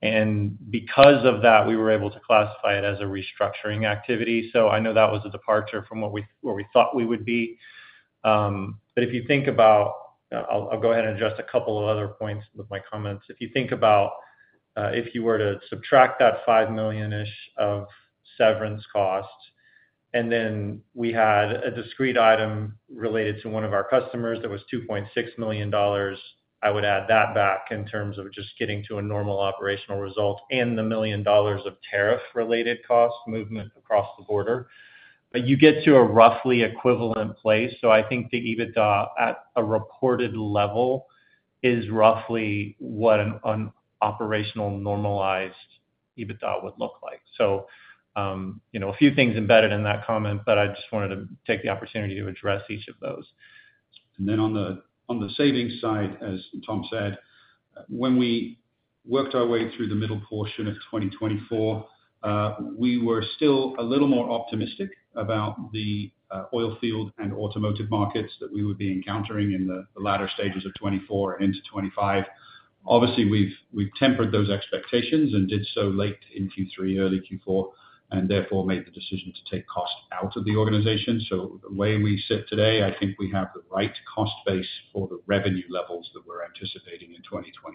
Because of that, we were able to classify it as a restructuring activity. I know that was a departure from what we thought we would be. If you think about—I will go ahead and address a couple of other points with my comments—if you think about if you were to subtract that $5 million-ish of severance cost, and then we had a discrete item related to one of our customers that was $2.6 million, I would add that back in terms of just getting to a normal operational result and the $1 million of tariff-related cost movement across the border. You get to a roughly equivalent place. I think the EBITDA at a reported level is roughly what an operational normalized EBITDA would look like. A few things are embedded in that comment, but I just wanted to take the opportunity to address each of those. Then on the savings side, as Tom said, when we worked our way through the middle portion of 2024, we were still a little more optimistic about the oil field and automotive markets that we would be encountering in the latter stages of 2024 and into 2025. Obviously, we've tempered those expectations and did so late in Q3, early Q4, and therefore made the decision to take cost out of the organization. The way we sit today, I think we have the right cost base for the revenue levels that we're anticipating in 2025.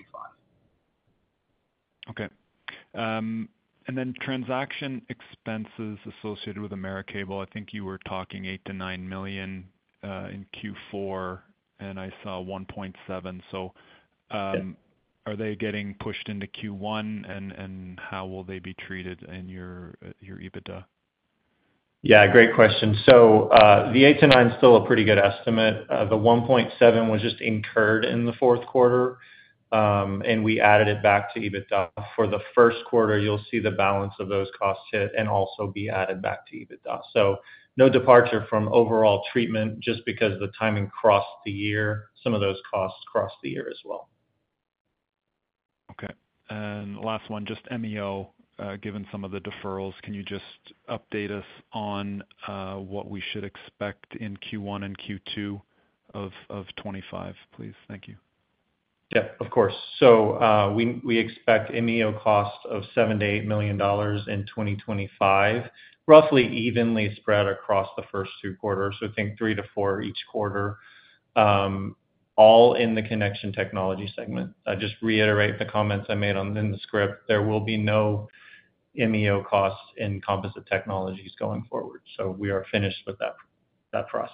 Okay. Then transaction expenses associated with AmerCable, I think you were talking $8 million-$9 million in Q4, and I saw $1.7 million. Are they getting pushed into Q1, and how will they be treated in your EBITDA? Great question. The $8 million-$9 million is still a pretty good estimate. The $1.7 million was just incurred in the fourth quarter, and we added it back to EBITDA. For the first quarter, you'll see the balance of those costs hit and also be added back to EBITDA. No departure from overall treatment just because the timing crossed the year, some of those costs crossed the year as well. Okay. Last one, just MEO, given some of the deferrals, can you just update us on what we should expect in Q1 and Q2 of 2025, please? Thank you. Yeah, of course. We expect MEO cost of $7 million-$8 million in 2025, roughly evenly spread across the first two quarters. I think $3 million-$4 million each quarter, all in the connection technology segment. I just reiterate the comments I made on the script. There will be no MEO costs in composite technologies going forward. We are finished with that process.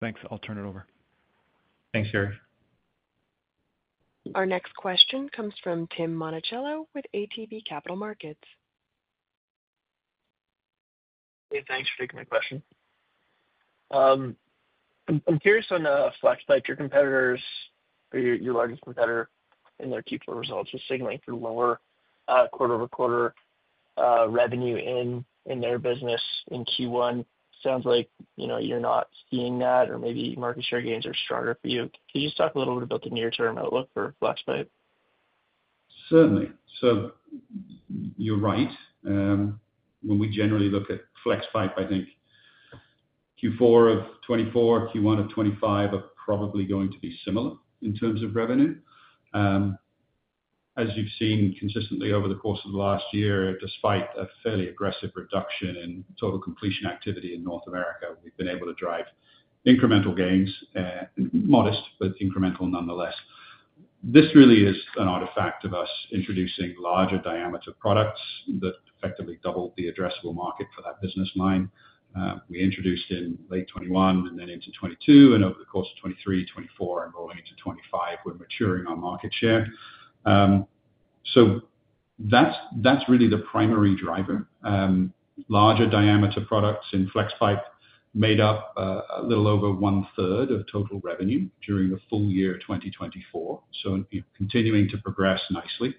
Thanks. I'll turn it over. Thanks, Yuri. Our next question comes from Tim Monachello with ATB Capital Markets. Hey, thanks for taking my question. I'm curious on FlexPipe. Your competitors, your largest competitor in their Q4 results, was signaling for lower quarter-over-quarter revenue in their business in Q1. Sounds like you're not seeing that, or maybe market share gains are stronger for you. Can you just talk a little bit about the near-term outlook for FlexPipe? Certainly. You're right. When we generally look at FlexPipe, I think Q4 of 2024, Q1 of 2025 are probably going to be similar in terms of revenue. As you've seen consistently over the course of the last year, despite a fairly aggressive reduction in total completion activity in North America, we've been able to drive incremental gains, modest, but incremental nonetheless. This really is an artifact of us introducing larger diameter products that effectively doubled the addressable market for that business line. We introduced in late 2021 and then into 2022, and over the course of 2023, 2024, and rolling into 2025, we're maturing our market share. That is really the primary driver. Larger diameter products in FlexPipe made up a little over one-third of total revenue during the full year 2024. Continuing to progress nicely.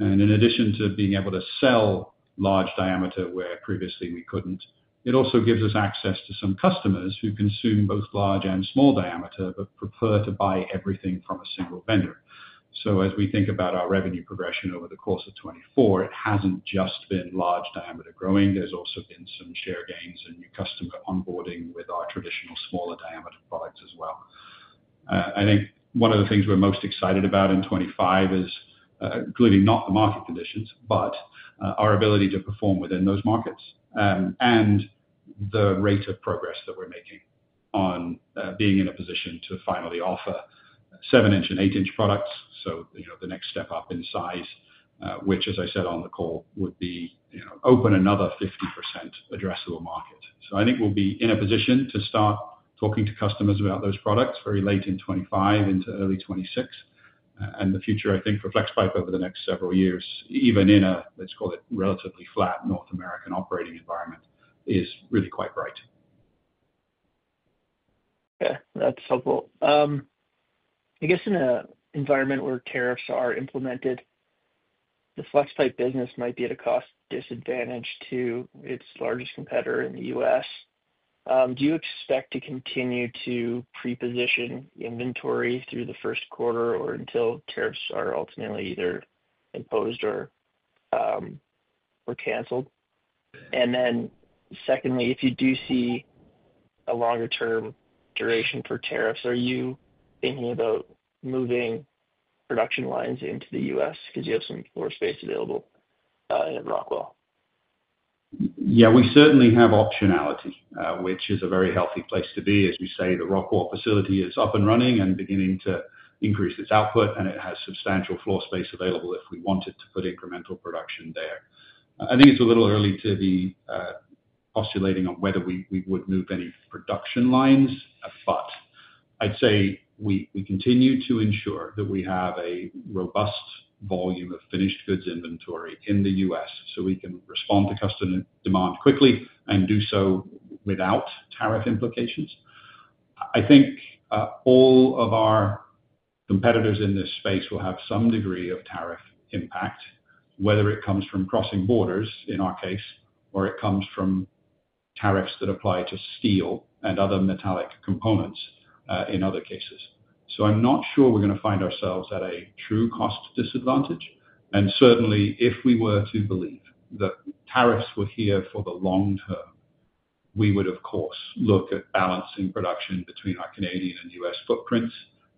In addition to being able to sell large diameter where previously we could not, it also gives us access to some customers who consume both large and small diameter but prefer to buy everything from a single vendor. As we think about our revenue progression over the course of 2024, it has not just been large diameter growing. has also been some share gains and new customer onboarding with our traditional smaller diameter products as well. I think one of the things we are most excited about in 2025 is clearly not the market conditions, but our ability to perform within those markets and the rate of progress that we are making on being in a position to finally offer 7-inch and 8-inch products. The next step up in size, which, as I said on the call, would open another 50% addressable market. I think we will be in a position to start talking to customers about those products very late in 2025 into early 2026. The future, I think, for FlexPipe over the next several years, even in a, let's call it, relatively flat North American operating environment, is really quite bright. Okay. That is helpful. I guess in an environment where tariffs are implemented, the FlexPipe business might be at a cost disadvantage to its largest competitor in the U.S. Do you expect to continue to pre-position inventory through the first quarter or until tariffs are ultimately either imposed or canceled? Secondly, if you do see a longer-term duration for tariffs, are you thinking about moving production lines into the U.S. because you have some floor space available in Rockwall? Yeah, we certainly have optionality, which is a very healthy place to be. As we say, the Rockwall facility is up and running and beginning to increase its output, and it has substantial floor space available if we wanted to put incremental production there. I think it's a little early to be postulating on whether we would move any production lines, but I'd say we continue to ensure that we have a robust volume of finished goods inventory in the U.S. so we can respond to customer demand quickly and do so without tariff implications. I think all of our competitors in this space will have some degree of tariff impact, whether it comes from crossing borders in our case or it comes from tariffs that apply to steel and other metallic components in other cases. I'm not sure we're going to find ourselves at a true cost disadvantage. Certainly, if we were to believe that tariffs were here for the long term, we would, of course, look at balancing production between our Canadian and U.S. footprints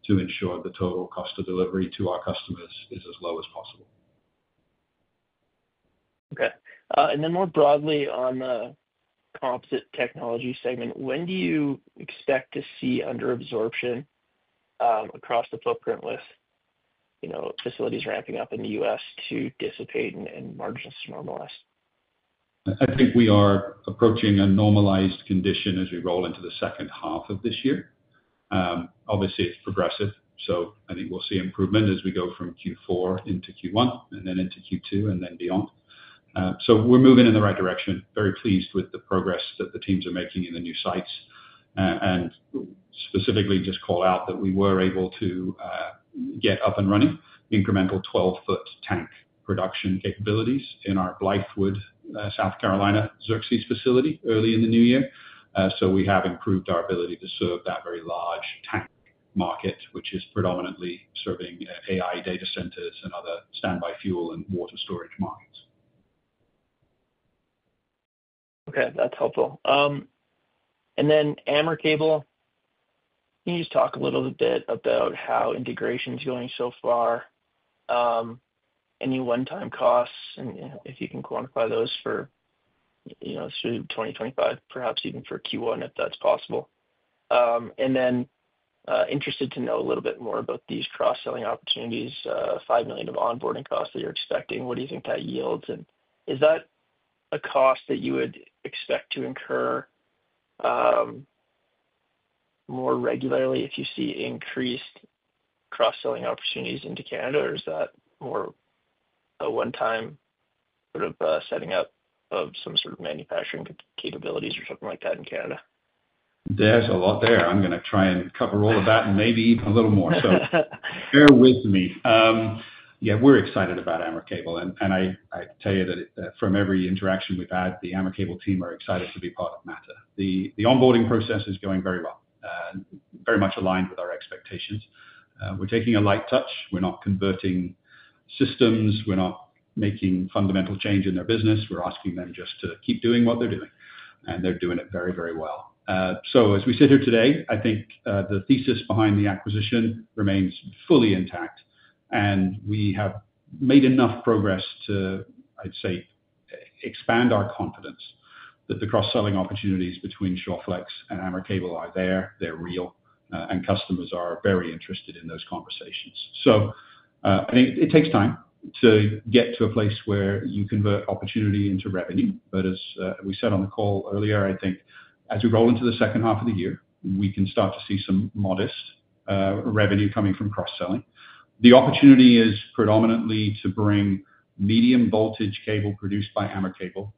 to ensure the total cost of delivery to our customers is as low as possible. Okay. And then more broadly on the Composite Technologies segment, when do you expect to see under absorption across the footprint as facilities ramping up in the U.S. to dissipate and margins to normalize? I think we are approaching a normalized condition as we roll into the second half of this year. Obviously, it's progressive. I think we'll see improvement as we go from Q4 into Q1 and then into Q2 and then beyond. We are moving in the right direction. Very pleased with the progress that the teams are making in the new sites. Specifically, just call out that we were able to get up and running incremental 12-foot tank production capabilities in our Blythewood, South Carolina, Xerxes facility early in the new year. We have improved our ability to serve that very large tank market, which is predominantly serving AI data centers and other standby fuel and water storage markets. Okay. That's helpful. AmerCable, can you just talk a little bit about how integration is going so far? Any one-time costs and if you can quantify those for 2025, perhaps even for Q1, if that's possible. Interested to know a little bit more about these cross-selling opportunities, $5 million of onboarding costs that you're expecting. What do you think that yields? Is that a cost that you would expect to incur more regularly if you see increased cross-selling opportunities into Canada, or is that more a one-time sort of setting up of some sort of manufacturing capabilities or something like that in Canada? There's a lot there. I'm going to try and cover all of that and maybe even a little more. Bear with me. Yeah, we're excited about AmerCable. I tell you that from every interaction we've had, the AmerCable team are excited to be part of Mattr. The onboarding process is going very well, very much aligned with our expectations. We're taking a light touch. We're not converting systems. We're not making fundamental change in their business. We're asking them just to keep doing what they're doing. They're doing it very, very well. As we sit here today, I think the thesis behind the acquisition remains fully intact. We have made enough progress to, I'd say, expand our confidence that the cross-selling opportunities between Shawflex and AmerCable are there. They're real. Customers are very interested in those conversations. I think it takes time to get to a place where you convert opportunity into revenue. As we said on the call earlier, I think as we roll into the second half of the year, we can start to see some modest revenue coming from cross-selling. The opportunity is predominantly to bring medium voltage cable produced by AmerCable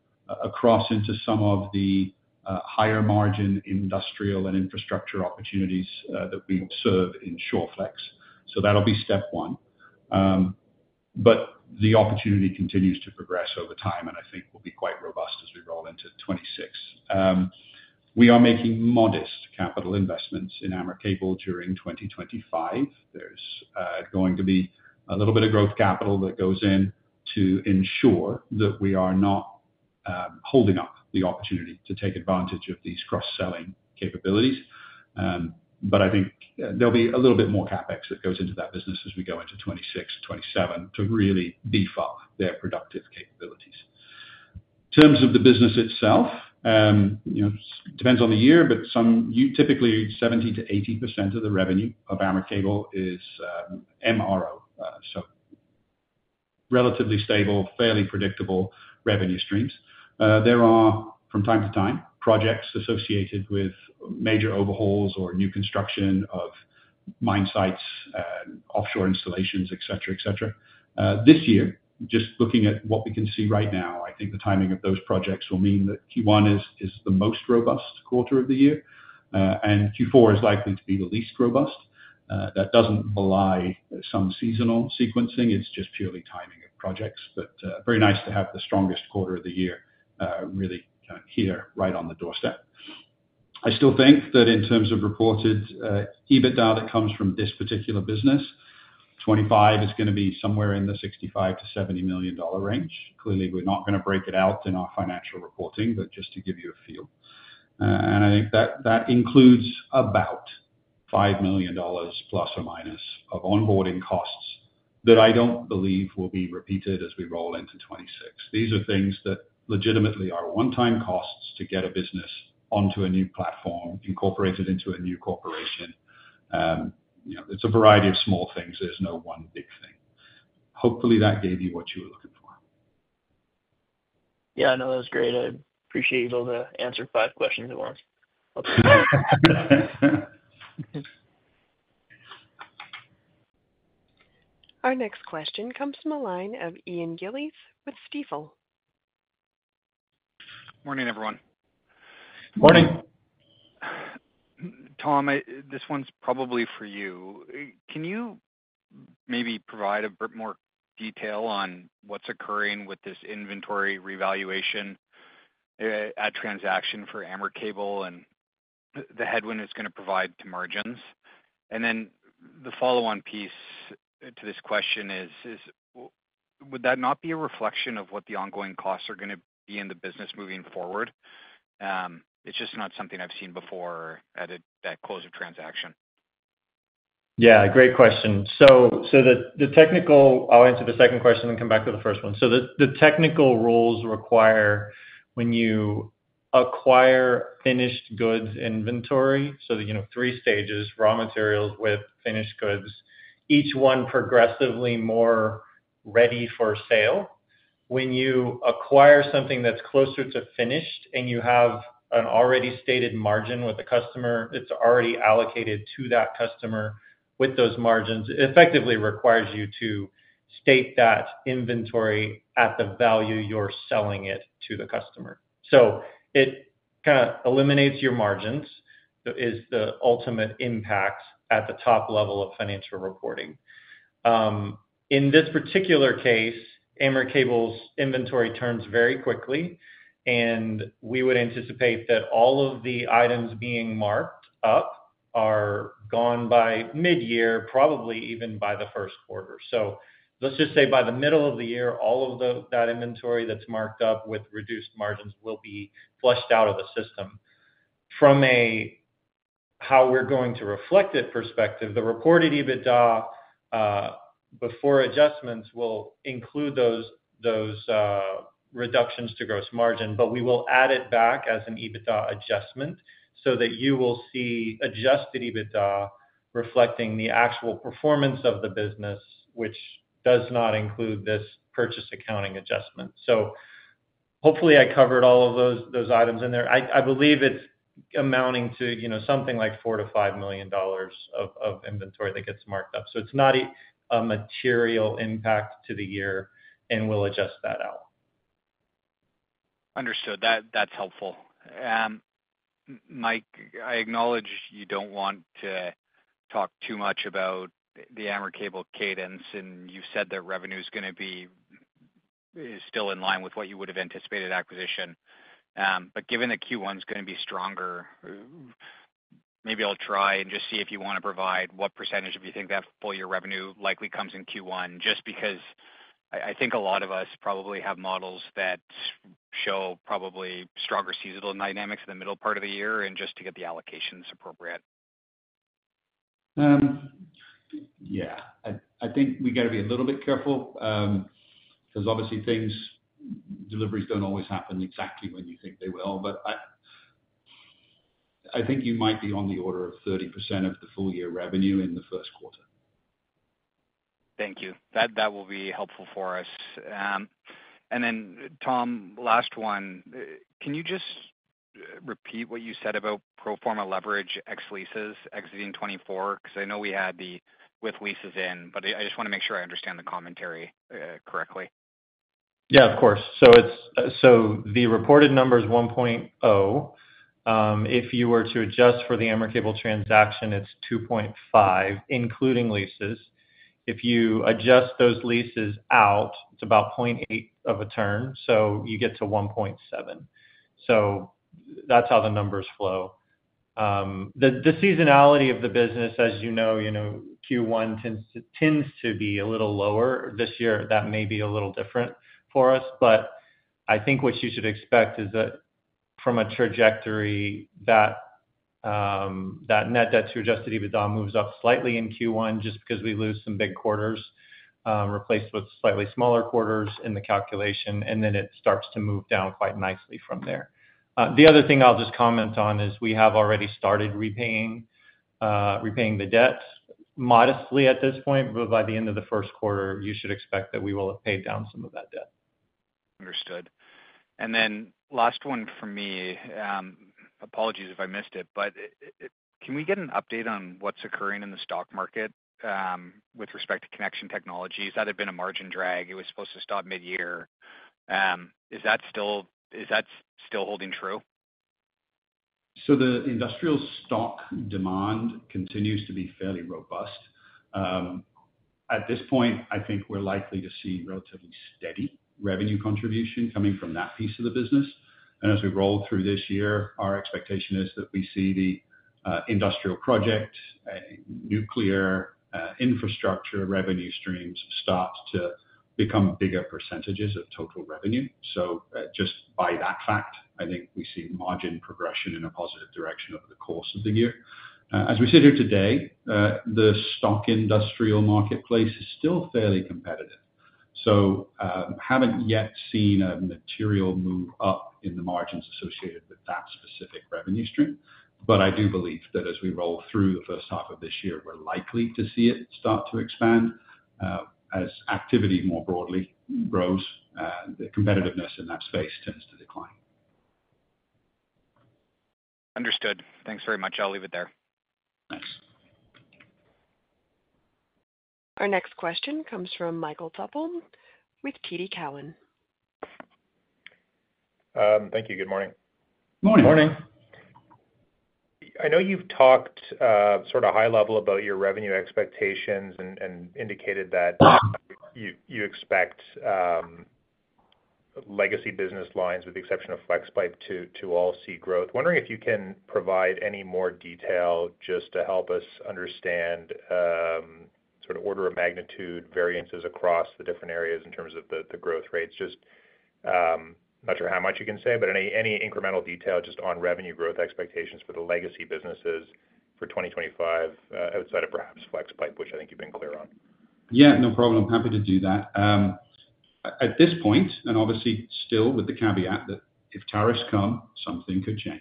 across into some of the higher margin industrial and infrastructure opportunities that we serve in Shawflex. That will be step one. The opportunity continues to progress over time, and I think will be quite robust as we roll into 2026. We are making modest capital investments in AmerCable during 2025. There is going to be a little bit of growth capital that goes in to ensure that we are not holding up the opportunity to take advantage of these cross-selling capabilities. I think there'll be a little bit more CapEx that goes into that business as we go into 2026 and 2027 to really beef up their productive capabilities. In terms of the business itself, it depends on the year, but typically 70%-80% of the revenue of AmerCable is MRO. So relatively stable, fairly predictable revenue streams. There are, from time to time, projects associated with major overhauls or new construction of mine sites and offshore installations, etc., etc. This year, just looking at what we can see right now, I think the timing of those projects will mean that Q1 is the most robust quarter of the year, and Q4 is likely to be the least robust. That does not belie some seasonal sequencing. It is just purely timing of projects. Very nice to have the strongest quarter of the year really here right on the doorstep. I still think that in terms of reported EBITDA that comes from this particular business, 2025 is going to be somewhere in the $65 million-$70 million range. Clearly, we're not going to break it out in our financial reporting, but just to give you a feel. I think that includes about $5 million plus or minus of onboarding costs that I don't believe will be repeated as we roll into 2026. These are things that legitimately are one-time costs to get a business onto a new platform, incorporated into a new corporation. It's a variety of small things. There's no one big thing. Hopefully, that gave you what you were looking for. Yeah, no, that was great. I appreciate you able to answer five questions at once. Our next question comes from a line of Ian Gillies with Stifel. Morning, everyone. Morning. Tom, this one's probably for you. Can you maybe provide a bit more detail on what's occurring with this inventory revaluation transaction for AmerCable and the headwind it's going to provide to margins? The follow-on piece to this question is, would that not be a reflection of what the ongoing costs are going to be in the business moving forward? It's just not something I've seen before at that close of transaction. Yeah, great question. The technical—I'll answer the second question and come back to the first one. The technical rules require when you acquire finished goods inventory, so three stages: raw materials, wet, finished goods, each one progressively more ready for sale. When you acquire something that's closer to finished and you have an already stated margin with a customer, it's already allocated to that customer with those margins, it effectively requires you to state that inventory at the value you're selling it to the customer. It kind of eliminates your margins is the ultimate impact at the top level of financial reporting. In this particular case, AmerCable's inventory turns very quickly, and we would anticipate that all of the items being marked up are gone by mid-year, probably even by the first quarter. Let's just say by the middle of the year, all of that inventory that's marked up with reduced margins will be flushed out of the system. From a how we're going to reflect it perspective, the reported EBITDA before adjustments will include those reductions to gross margin, but we will add it back as an EBITDA adjustment so that you will see adjusted EBITDA reflecting the actual performance of the business, which does not include this purchase accounting adjustment. Hopefully, I covered all of those items in there. I believe it's amounting to something like $4 million-$5 million of inventory that gets marked up. It's not a material impact to the year, and we'll adjust that out. Understood. That's helpful. Mike, I acknowledge you don't want to talk too much about the AmerCable cadence, and you've said that revenue is going to be still in line with what you would have anticipated acquisition. Given that Q1 is going to be stronger, maybe I'll try and just see if you want to provide what percentage you think that full year revenue likely comes in Q1, just because I think a lot of us probably have models that show probably stronger seasonal dynamics in the middle part of the year and just to get the allocations appropriate. Yeah. I think we got to be a little bit careful because obviously, deliveries do not always happen exactly when you think they will. I think you might be on the order of 30% of the full year revenue in the first quarter. Thank you. That will be helpful for us. Tom, last one. Can you just repeat what you said about pro forma leverage, ex-leases, exiting 2024? Because I know we had the with leases in, but I just want to make sure I understand the commentary correctly. Yeah, of course. The reported number is 1.0. If you were to adjust for the AmerCable transaction, it is 2.5, including leases. If you adjust those leases out, it is about 0.8 of a turn. You get to 1.7. That is how the numbers flow. The seasonality of the business, as you know, Q1 tends to be a little lower. This year, that may be a little different for us. I think what you should expect is that from a trajectory, that net debt to adjusted EBITDA moves up slightly in Q1 just because we lose some big quarters replaced with slightly smaller quarters in the calculation, and then it starts to move down quite nicely from there. The other thing I'll just comment on is we have already started repaying the debt modestly at this point, but by the end of the first quarter, you should expect that we will have paid down some of that debt. Understood. Last one for me, apologies if I missed it, but can we get an update on what's occurring in the stock market with respect to Connection Technologies? That had been a margin drag. It was supposed to stop mid-year. Is that still holding true? The industrial stock demand continues to be fairly robust. At this point, I think we're likely to see relatively steady revenue contribution coming from that piece of the business. As we roll through this year, our expectation is that we see the industrial projects, nuclear infrastructure revenue streams start to become bigger percentages of total revenue. Just by that fact, I think we see margin progression in a positive direction over the course of the year. As we sit here today, the stock industrial marketplace is still fairly competitive. I have not yet seen a material move up in the margins associated with that specific revenue stream. I do believe that as we roll through the first half of this year, we are likely to see it start to expand as activity more broadly grows. The competitiveness in that space tends to decline. Understood. Thanks very much. I'll leave it there. Thanks. Our next question comes from Michael Tupholme with TD Cowen. Thank you. Good morning. Good morning. Good morning. I know you have talked sort of high level about your revenue expectations and indicated that you expect legacy business lines, with the exception of FlexPipe, to all see growth. Wondering if you can provide any more detail just to help us understand sort of order of magnitude variances across the different areas in terms of the growth rates. Just not sure how much you can say, but any incremental detail just on revenue growth expectations for the legacy businesses for 2025 outside of perhaps FlexPipe, which I think you've been clear on. Yeah, no problem. Happy to do that. At this point, and obviously still with the caveat that if tariffs come, something could change.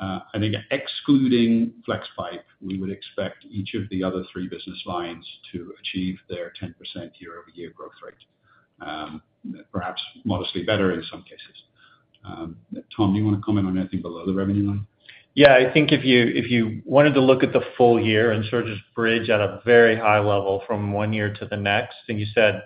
I think excluding FlexPipe, we would expect each of the other three business lines to achieve their 10% year-over-year growth rate, perhaps modestly better in some cases. Tom, do you want to comment on anything below the revenue line? Yeah. I think if you wanted to look at the full year and sort of just bridge at a very high level from one year to the next, and you said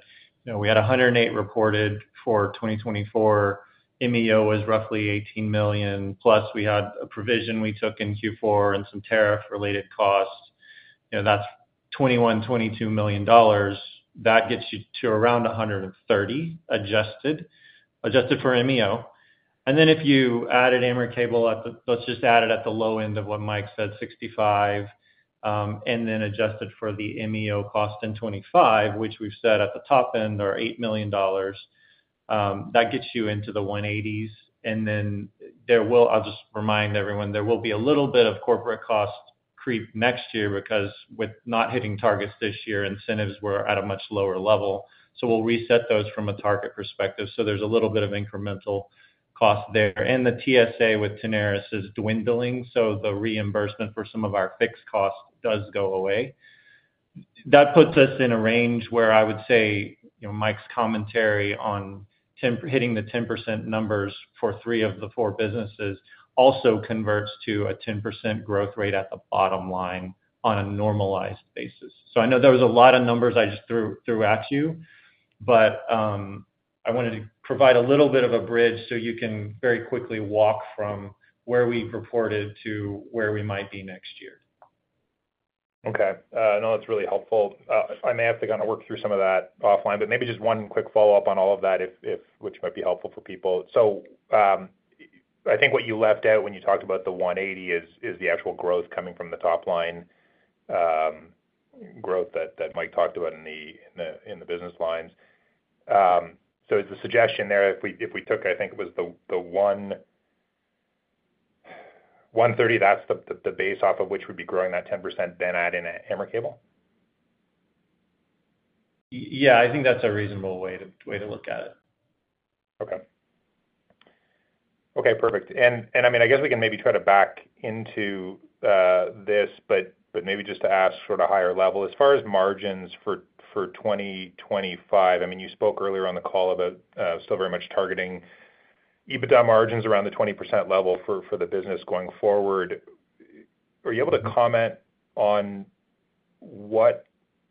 we had 108 million reported for 2024, MEO was roughly 18 million, plus we had a provision we took in Q4 and some tariff-related costs, that's 21 million-22 million dollars. That gets you to around 130 million adjusted for MEO. If you added AmerCable, let's just add it at the low end of what Mike said, 65 million, and then adjusted for the MEO cost in 2025, which we've said at the top end are 8 million dollars, that gets you into the 180 millions. I'll just remind everyone, there will be a little bit of corporate cost creep next year because with not hitting targets this year, incentives were at a much lower level. We'll reset those from a target perspective. There's a little bit of incremental cost there. The TSA with Tenaris is dwindling, so the reimbursement for some of our fixed costs does go away. That puts us in a range where I would say Mike's commentary on hitting the 10% numbers for three of the four businesses also converts to a 10% growth rate at the bottom line on a normalized basis. I know there was a lot of numbers I just threw at you, but I wanted to provide a little bit of a bridge so you can very quickly walk from where we reported to where we might be next year. Okay. No, that's really helpful. I may have to kind of work through some of that offline, but maybe just one quick follow-up on all of that, which might be helpful for people. I think what you left out when you talked about the 180 is the actual growth coming from the top line growth that Mike talked about in the business lines. The suggestion there, if we took, I think it was the 130, that's the base off of which we'd be growing that 10%, then add in AmerCable? Yeah, I think that's a reasonable way to look at it. Okay. Okay, perfect. I mean, I guess we can maybe try to back into this, but maybe just to ask sort of higher level. As far as margins for 2025, I mean, you spoke earlier on the call about still very much targeting EBITDA margins around the 20% level for the business going forward. Are you able to comment on what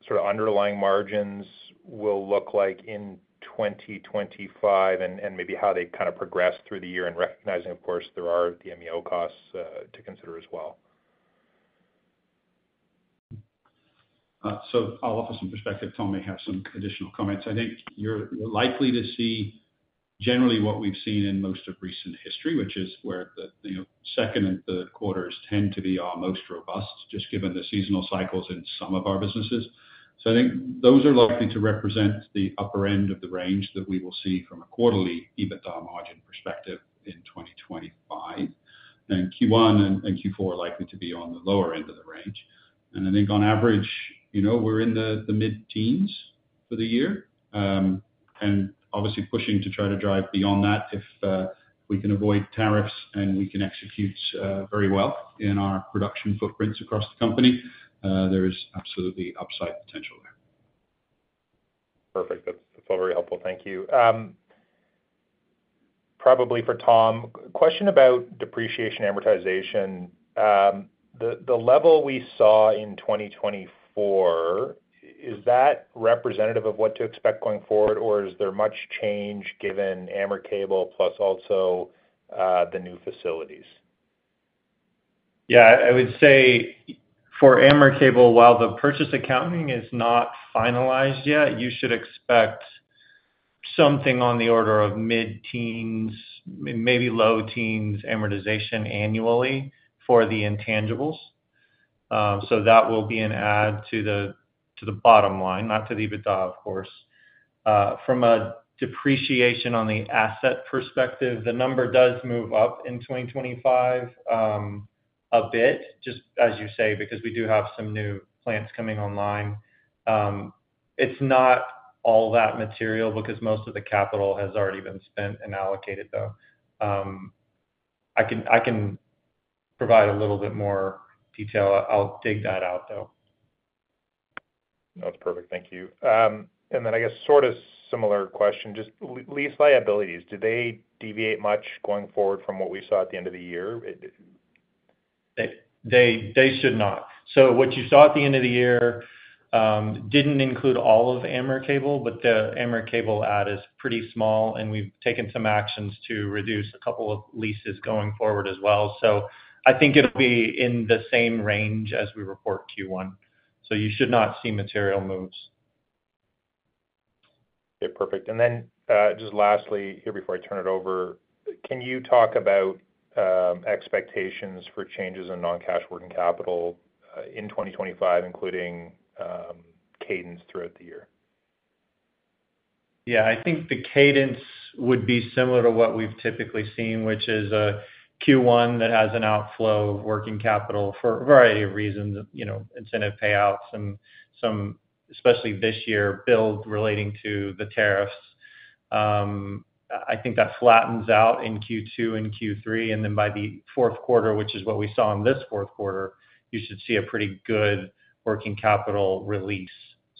sort of underlying margins will look like in 2025 and maybe how they kind of progress through the year and recognizing, of course, there are the MEO costs to consider as well? I'll offer some perspective. Tom may have some additional comments. I think you're likely to see generally what we've seen in most of recent history, which is where the second and third quarters tend to be our most robust, just given the seasonal cycles in some of our businesses. I think those are likely to represent the upper end of the range that we will see from a quarterly EBITDA margin perspective in 2025. Q1 and Q4 are likely to be on the lower end of the range. I think on average, we're in the mid-teens for the year. Obviously pushing to try to drive beyond that if we can avoid tariffs and we can execute very well in our production footprints across the company, there is absolutely upside potential there. Perfect. That is all very helpful. Thank you. Probably for Tom, question about depreciation amortization. The level we saw in 2024, is that representative of what to expect going forward, or is there much change given AmerCable plus also the new facilities? Yeah, I would say for AmerCable, while the purchase accounting is not finalized yet, you should expect something on the order of mid-teens, maybe low-teens amortization annually for the intangibles. That will be an add to the bottom line, not to the EBITDA, of course. From a depreciation on the asset perspective, the number does move up in 2025 a bit, just as you say, because we do have some new plants coming online. It's not all that material because most of the capital has already been spent and allocated, though. I can provide a little bit more detail. I'll dig that out, though. That's perfect. Thank you. I guess sort of similar question, just lease liabilities. Do they deviate much going forward from what we saw at the end of the year? They should not. What you saw at the end of the year didn't include all of AmerCable, but the AmerCable add is pretty small, and we've taken some actions to reduce a couple of leases going forward as well. I think it'll be in the same range as we report Q1. You should not see material moves. Okay, perfect. Lastly here before I turn it over, can you talk about expectations for changes in non-cash working capital in 2025, including cadence throughout the year? Yeah, I think the cadence would be similar to what we've typically seen, which is a Q1 that has an outflow of working capital for a variety of reasons, incentive payouts, and especially this year, build relating to the tariffs. I think that flattens out in Q2 and Q3. By the fourth quarter, which is what we saw in this fourth quarter, you should see a pretty good working capital release.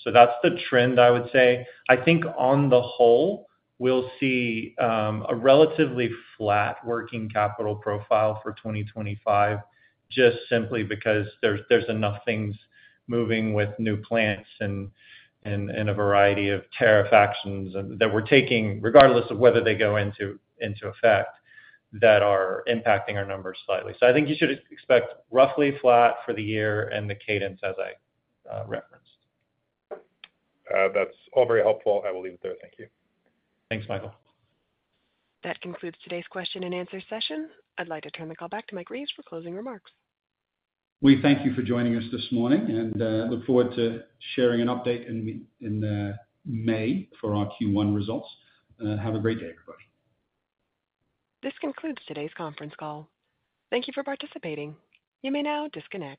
That is the trend, I would say. I think on the whole, we'll see a relatively flat working capital profile for 2025, just simply because there's enough things moving with new plants and a variety of tariff actions that we're taking, regardless of whether they go into effect, that are impacting our numbers slightly. I think you should expect roughly flat for the year and the cadence as I referenced. That's all very helpful. I will leave it there. Thank you. Thanks, Michael. That concludes today's question and answer session. I'd like to turn the call back to Mike Reeves for closing remarks. We thank you for joining us this morning and look forward to sharing an update in May for our Q1 results. Have a great day, everybody. This concludes today's conference call. Thank you for participating. You may now disconnect.